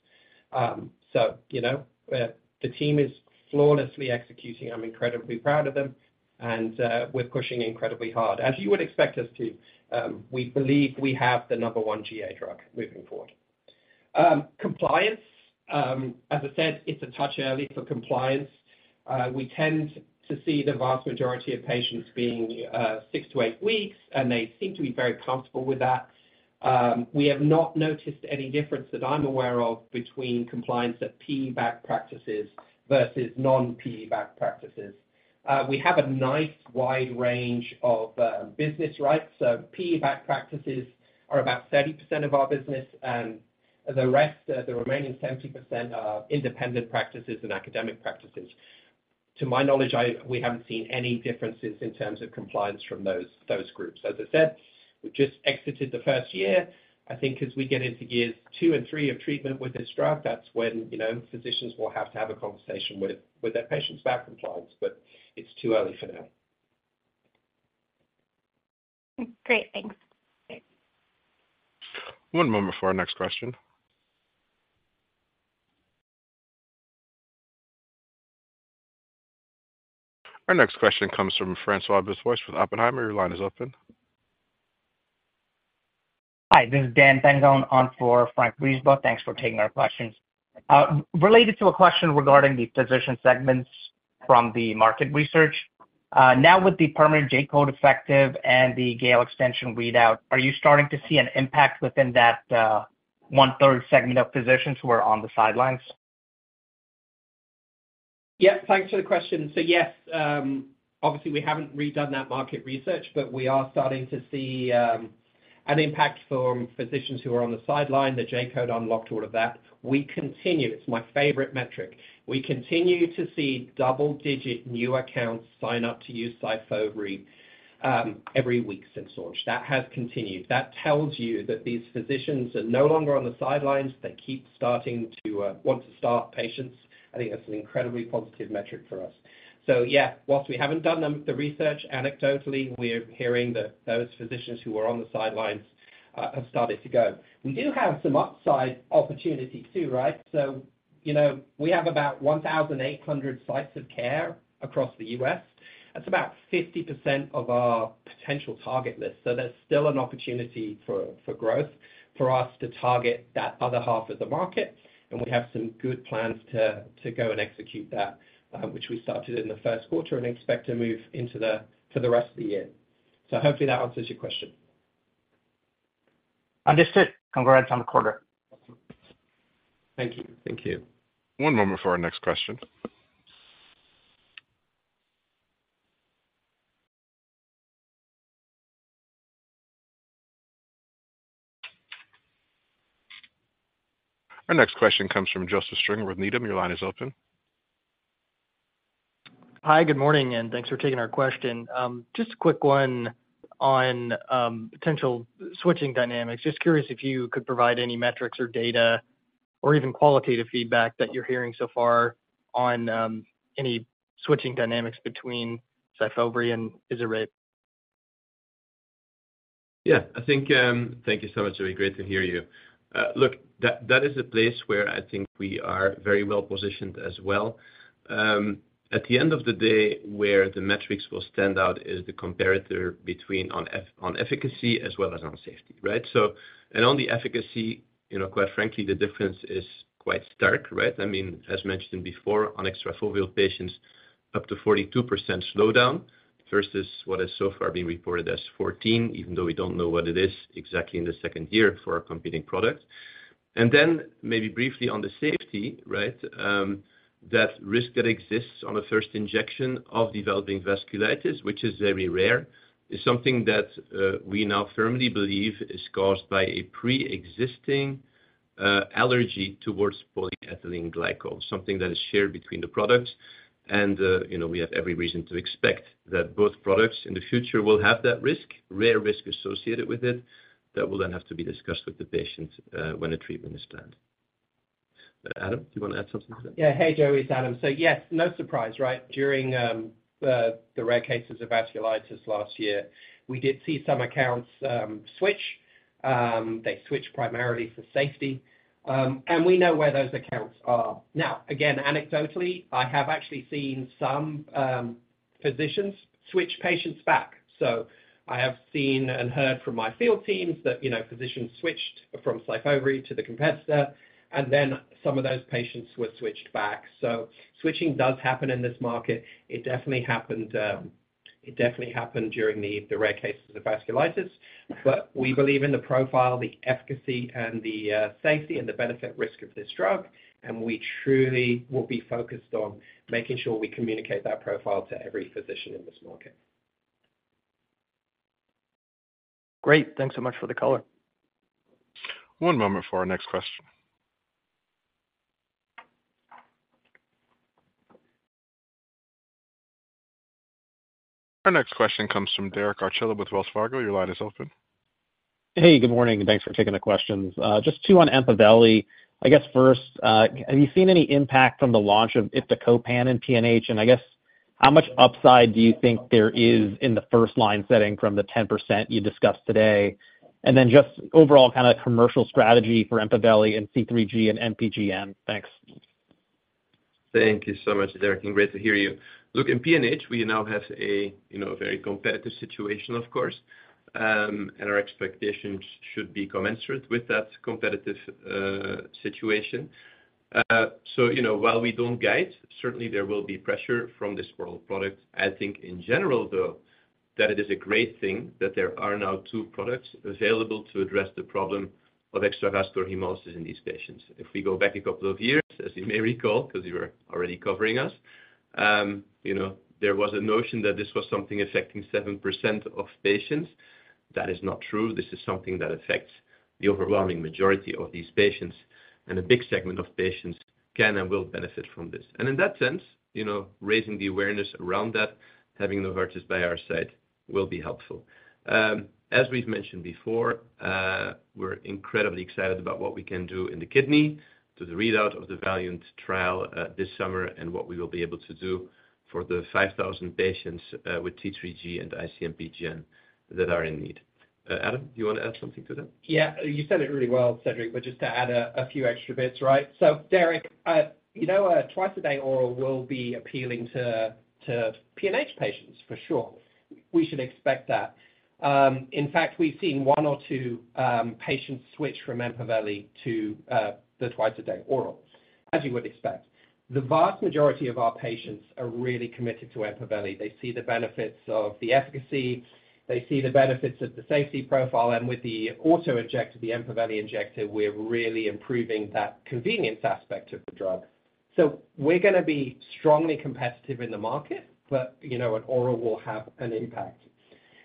So the team is flawlessly executing. I'm incredibly proud of them, and we're pushing incredibly hard, as you would expect us to. We believe we have the number one GA drug moving forward. Compliance, as I said, it's a touch early for compliance. We tend to see the vast majority of patients being 6-8 weeks, and they seem to be very comfortable with that. We have not noticed any difference that I'm aware of between compliance at PE-backed practices versus non-PE-backed practices. We have a nice wide range of business, right? So PE-backed practices are about 30% of our business, and the remaining 70% are independent practices and academic practices. To my knowledge, we haven't seen any differences in terms of compliance from those groups. As I said, we've just exited the first year. I think as we get into years 2 and 3 of treatment with this drug, that's when physicians will have to have a conversation with their patients about compliance, but it's too early for now. Great. Thanks. One moment for our next question. Our next question comes from François Brisebois with Oppenheimer. Your line is open. Hi. This is Dan Tagliani on for François Brisebois. Thanks for taking our questions. Related to a question regarding the physician segments from the market research, now with the permanent J-code effective and the GALE extension readout, are you starting to see an impact within that one-third segment of physicians who are on the sidelines? Yep. Thanks for the question. So yes, obviously, we haven't redone that market research, but we are starting to see an impact from physicians who are on the sideline, the J-code unlocked, all of that. It's my favorite metric. We continue to see double-digit new accounts sign up to use SYFOVRE every week since launch. That has continued. That tells you that these physicians are no longer on the sidelines. They keep wanting to start patients. I think that's an incredibly positive metric for us. So yeah, while we haven't done the research, anecdotally, we're hearing that those physicians who were on the sidelines have started to go. We do have some upside opportunity too, right? So we have about 1,800 sites of care across the U.S. That's about 50% of our potential target list. There's still an opportunity for growth for us to target that other half of the market. We have some good plans to go and execute that, which we started in the first quarter and expect to move into for the rest of the year. Hopefully, that answers your question. Understood. Congrats on the quarter. Thank you. Thank you. One moment for our next question. Our next question comes from Joseph Stringer with Needham. Your line is open. Hi. Good morning, and thanks for taking our question. Just a quick one on potential switching dynamics. Just curious if you could provide any metrics or data or even qualitative feedback that you're hearing so far on any switching dynamics between SYFOVRE and IZERVAY. Yeah. Thank you so much. It'll be great to hear you. Look, that is a place where I think we are very well positioned as well. At the end of the day, where the metrics will stand out is the comparator between efficacy as well as on safety, right? And on the efficacy, quite frankly, the difference is quite stark, right? I mean, as mentioned before, on extrafoveal patients, up to 42% slowdown versus what has so far been reported as 14, even though we don't know what it is exactly in the second year for our competing product. And then maybe briefly on the safety, right? That risk that exists on a first injection of developing vasculitis, which is very rare, is something that we now firmly believe is caused by a pre-existing allergy towards polyethylene glycol, something that is shared between the products. We have every reason to expect that both products in the future will have that risk, rare risk associated with it that will then have to be discussed with the patients when a treatment is planned. Adam, do you want to add something to that? Yeah. Hey, Joey. It's Adam. So yes, no surprise, right? During the rare cases of vasculitis last year, we did see some accounts switch. They switched primarily for safety. And we know where those accounts are. Now, again, anecdotally, I have actually seen some physicians switch patients back. So I have seen and heard from my field teams that physicians switched from SYFOVRE to the competitor, and then some of those patients were switched back. So switching does happen in this market. It definitely happened during the rare cases of vasculitis. But we believe in the profile, the efficacy, and the safety and the benefit-risk of this drug. And we truly will be focused on making sure we communicate that profile to every physician in this market. Great. Thanks so much for the caller. One moment for our next question. Our next question comes from Derek Archilla with Wells Fargo. Your line is open. Hey. Good morning. Thanks for taking the questions. Just two on EMPAVELI. I guess first, have you seen any impact from the launch of iptacopan and PNH? And I guess, how much upside do you think there is in the first-line setting from the 10% you discussed today? And then just overall kind of commercial strategy for EMPAVELI and C3G and MPGN? Thanks. Thank you so much, Derek. And great to hear you. Look, in PNH, we now have a very competitive situation, of course, and our expectations should be commensurate with that competitive situation. So while we don't guide, certainly, there will be pressure from this oral product. I think, in general, though, that it is a great thing that there are now two products available to address the problem of extravascular hemolysis in these patients. If we go back a couple of years, as you may recall because you were already covering us, there was a notion that this was something affecting 7% of patients. That is not true. This is something that affects the overwhelming majority of these patients, and a big segment of patients can and will benefit from this. And in that sense, raising the awareness around that, having Novartis by our side will be helpful. As we've mentioned before, we're incredibly excited about what we can do in the kidney to the readout of the VALIANT trial this summer and what we will be able to do for the 5,000 patients with C3G and IC-MPGN that are in need. Adam, do you want to add something to that? Yeah. You said it really well, Cedric, but just to add a few extra bits, right? So Derek, twice-a-day oral will be appealing to PNH patients, for sure. We should expect that. In fact, we've seen one or two patients switch from EMPAVELI to the twice-a-day oral, as you would expect. The vast majority of our patients are really committed to EMPAVELI. They see the benefits of the efficacy. They see the benefits of the safety profile. And with the auto-injector, the EMPAVELI injector, we're really improving that convenience aspect of the drug. So we're going to be strongly competitive in the market, but an oral will have an impact.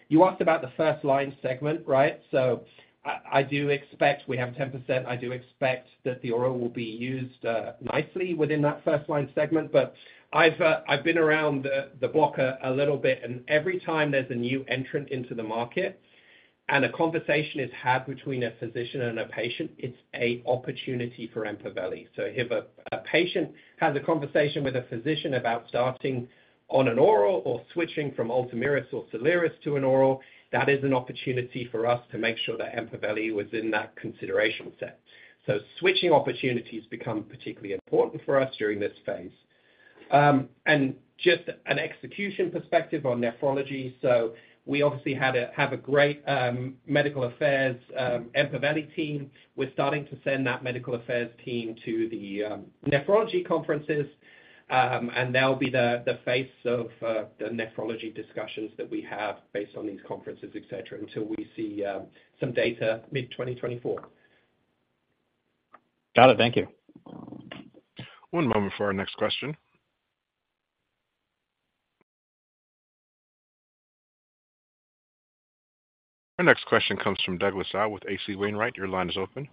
You asked about the first-line segment, right? So I do expect we have 10%. I do expect that the oral will be used nicely within that first-line segment. But I've been around the block a little bit. And every time there's a new entrant into the market and a conversation is had between a physician and a patient, it's an opportunity for EMPAVELI. So if a patient has a conversation with a physician about starting on an oral or switching from Ultomiris or Soliris to an oral, that is an opportunity for us to make sure that EMPAVELI was in that consideration set. So switching opportunities become particularly important for us during this phase. And just an execution perspective on nephrology. So we obviously have a great medical affairs EMPAVELI team. We're starting to send that medical affairs team to the nephrology conferences, and they'll be the face of the nephrology discussions that we have based on these conferences, etc., until we see some data mid-2024. Got it. Thank you. One moment for our next question. Our next question comes from Douglas Tsao with H.C. Wainwright. Your line is open.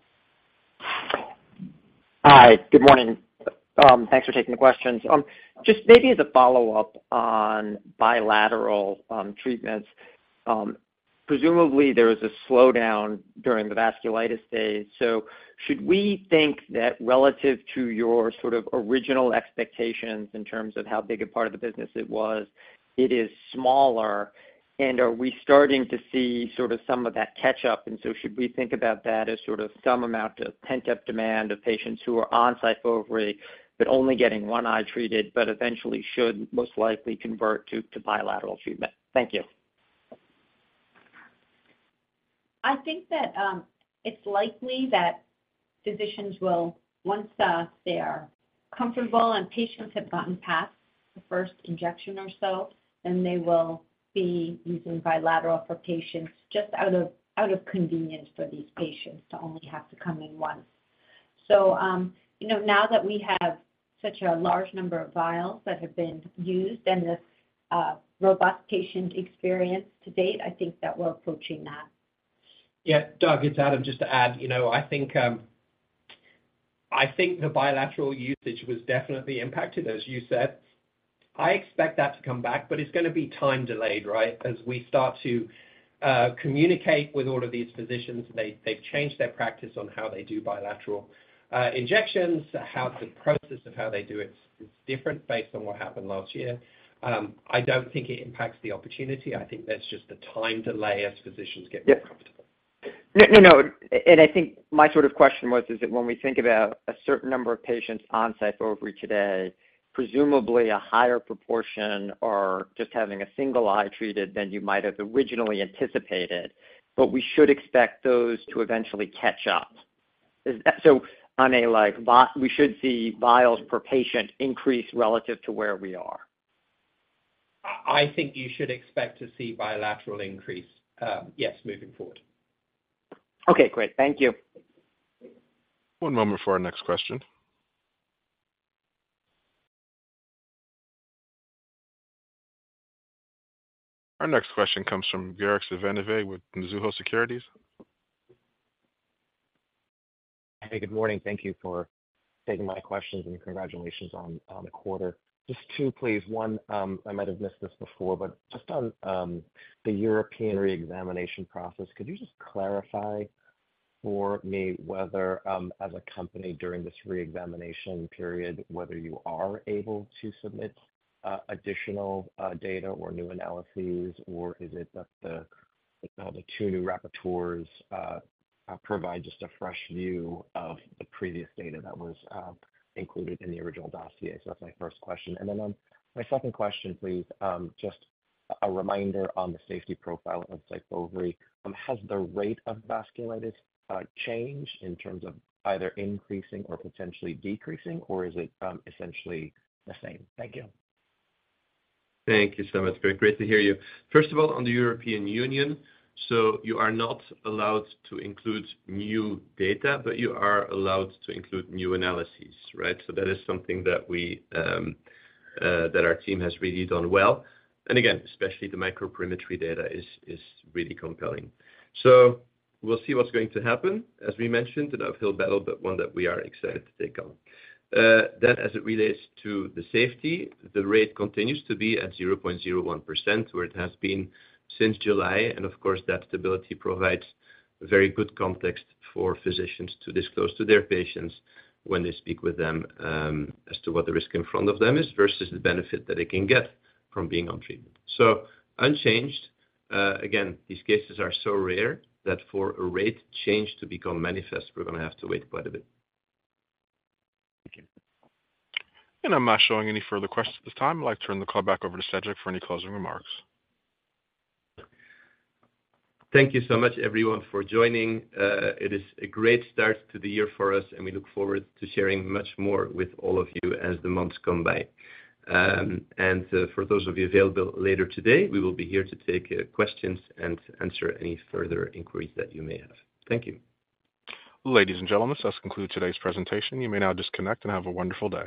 Hi. Good morning. Thanks for taking the questions. Just maybe as a follow-up on bilateral treatments, presumably, there was a slowdown during the vasculitis days. So should we think that relative to your sort of original expectations in terms of how big a part of the business it was, it is smaller? And are we starting to see sort of some of that catch-up? And so should we think about that as sort of some amount of pent-up demand of patients who are on SYFOVRE but only getting one eye treated but eventually should most likely convert to bilateral treatment? Thank you. I think that it's likely that physicians will, once they are comfortable and patients have gotten past the first injection or so, then they will be using bilateral for patients just out of convenience for these patients to only have to come in once. So now that we have such a large number of vials that have been used and this robust patient experience to date, I think that we're approaching that. Yeah. Doug, it's Adam. Just to add, I think the bilateral usage was definitely impacted, as you said. I expect that to come back, but it's going to be time-delayed, right, as we start to communicate with all of these physicians. They've changed their practice on how they do bilateral injections. The process of how they do it is different based on what happened last year. I don't think it impacts the opportunity. I think there's just a time delay as physicians get more comfortable. Yeah. No, no. I think my sort of question was, is it when we think about a certain number of patients on SYFOVRE today, presumably, a higher proportion are just having a single eye treated than you might have originally anticipated? But we should expect those to eventually catch up. So on a lot we should see vials per patient increase relative to where we are. I think you should expect to see bilateral increase, yes, moving forward. Okay. Great. Thank you. One moment for our next question. Our next question comes from Graig Suvannavejh with Mizuho Securities. Hey. Good morning. Thank you for taking my questions, and congratulations on the quarter. Just two, please. One, I might have missed this before, but just on the European reexamination process, could you just clarify for me whether, as a company during this reexamination period, whether you are able to submit additional data or new analyses, or is it that the two new rapporteurs provide just a fresh view of the previous data that was included in the original dossier? So that's my first question. And then my second question, please, just a reminder on the safety profile of SYFOVRE. Has the rate of vasculitis changed in terms of either increasing or potentially decreasing, or is it essentially the same? Thank you. Thank you so much. Great. Great to hear you. First of all, on the European Union, so you are not allowed to include new data, but you are allowed to include new analyses, right? So that is something that our team has really done well. And again, especially the microperimetry data is really compelling. So we'll see what's going to happen. As we mentioned, an uphill battle, but one that we are excited to take on. Then, as it relates to the safety, the rate continues to be at 0.01% where it has been since July. And of course, that stability provides very good context for physicians to disclose to their patients when they speak with them as to what the risk in front of them is versus the benefit that they can get from being on treatment. So unchanged. Again, these cases are so rare that for a rate change to become manifest, we're going to have to wait quite a bit. Thank you. I'm not showing any further questions at this time. I'd like to turn the call back over to Cedric for any closing remarks. Thank you so much, everyone, for joining. It is a great start to the year for us, and we look forward to sharing much more with all of you as the months come by. For those of you available later today, we will be here to take questions and answer any further inquiries that you may have. Thank you. Ladies and gentlemen, this does conclude today's presentation. You may now disconnect and have a wonderful day.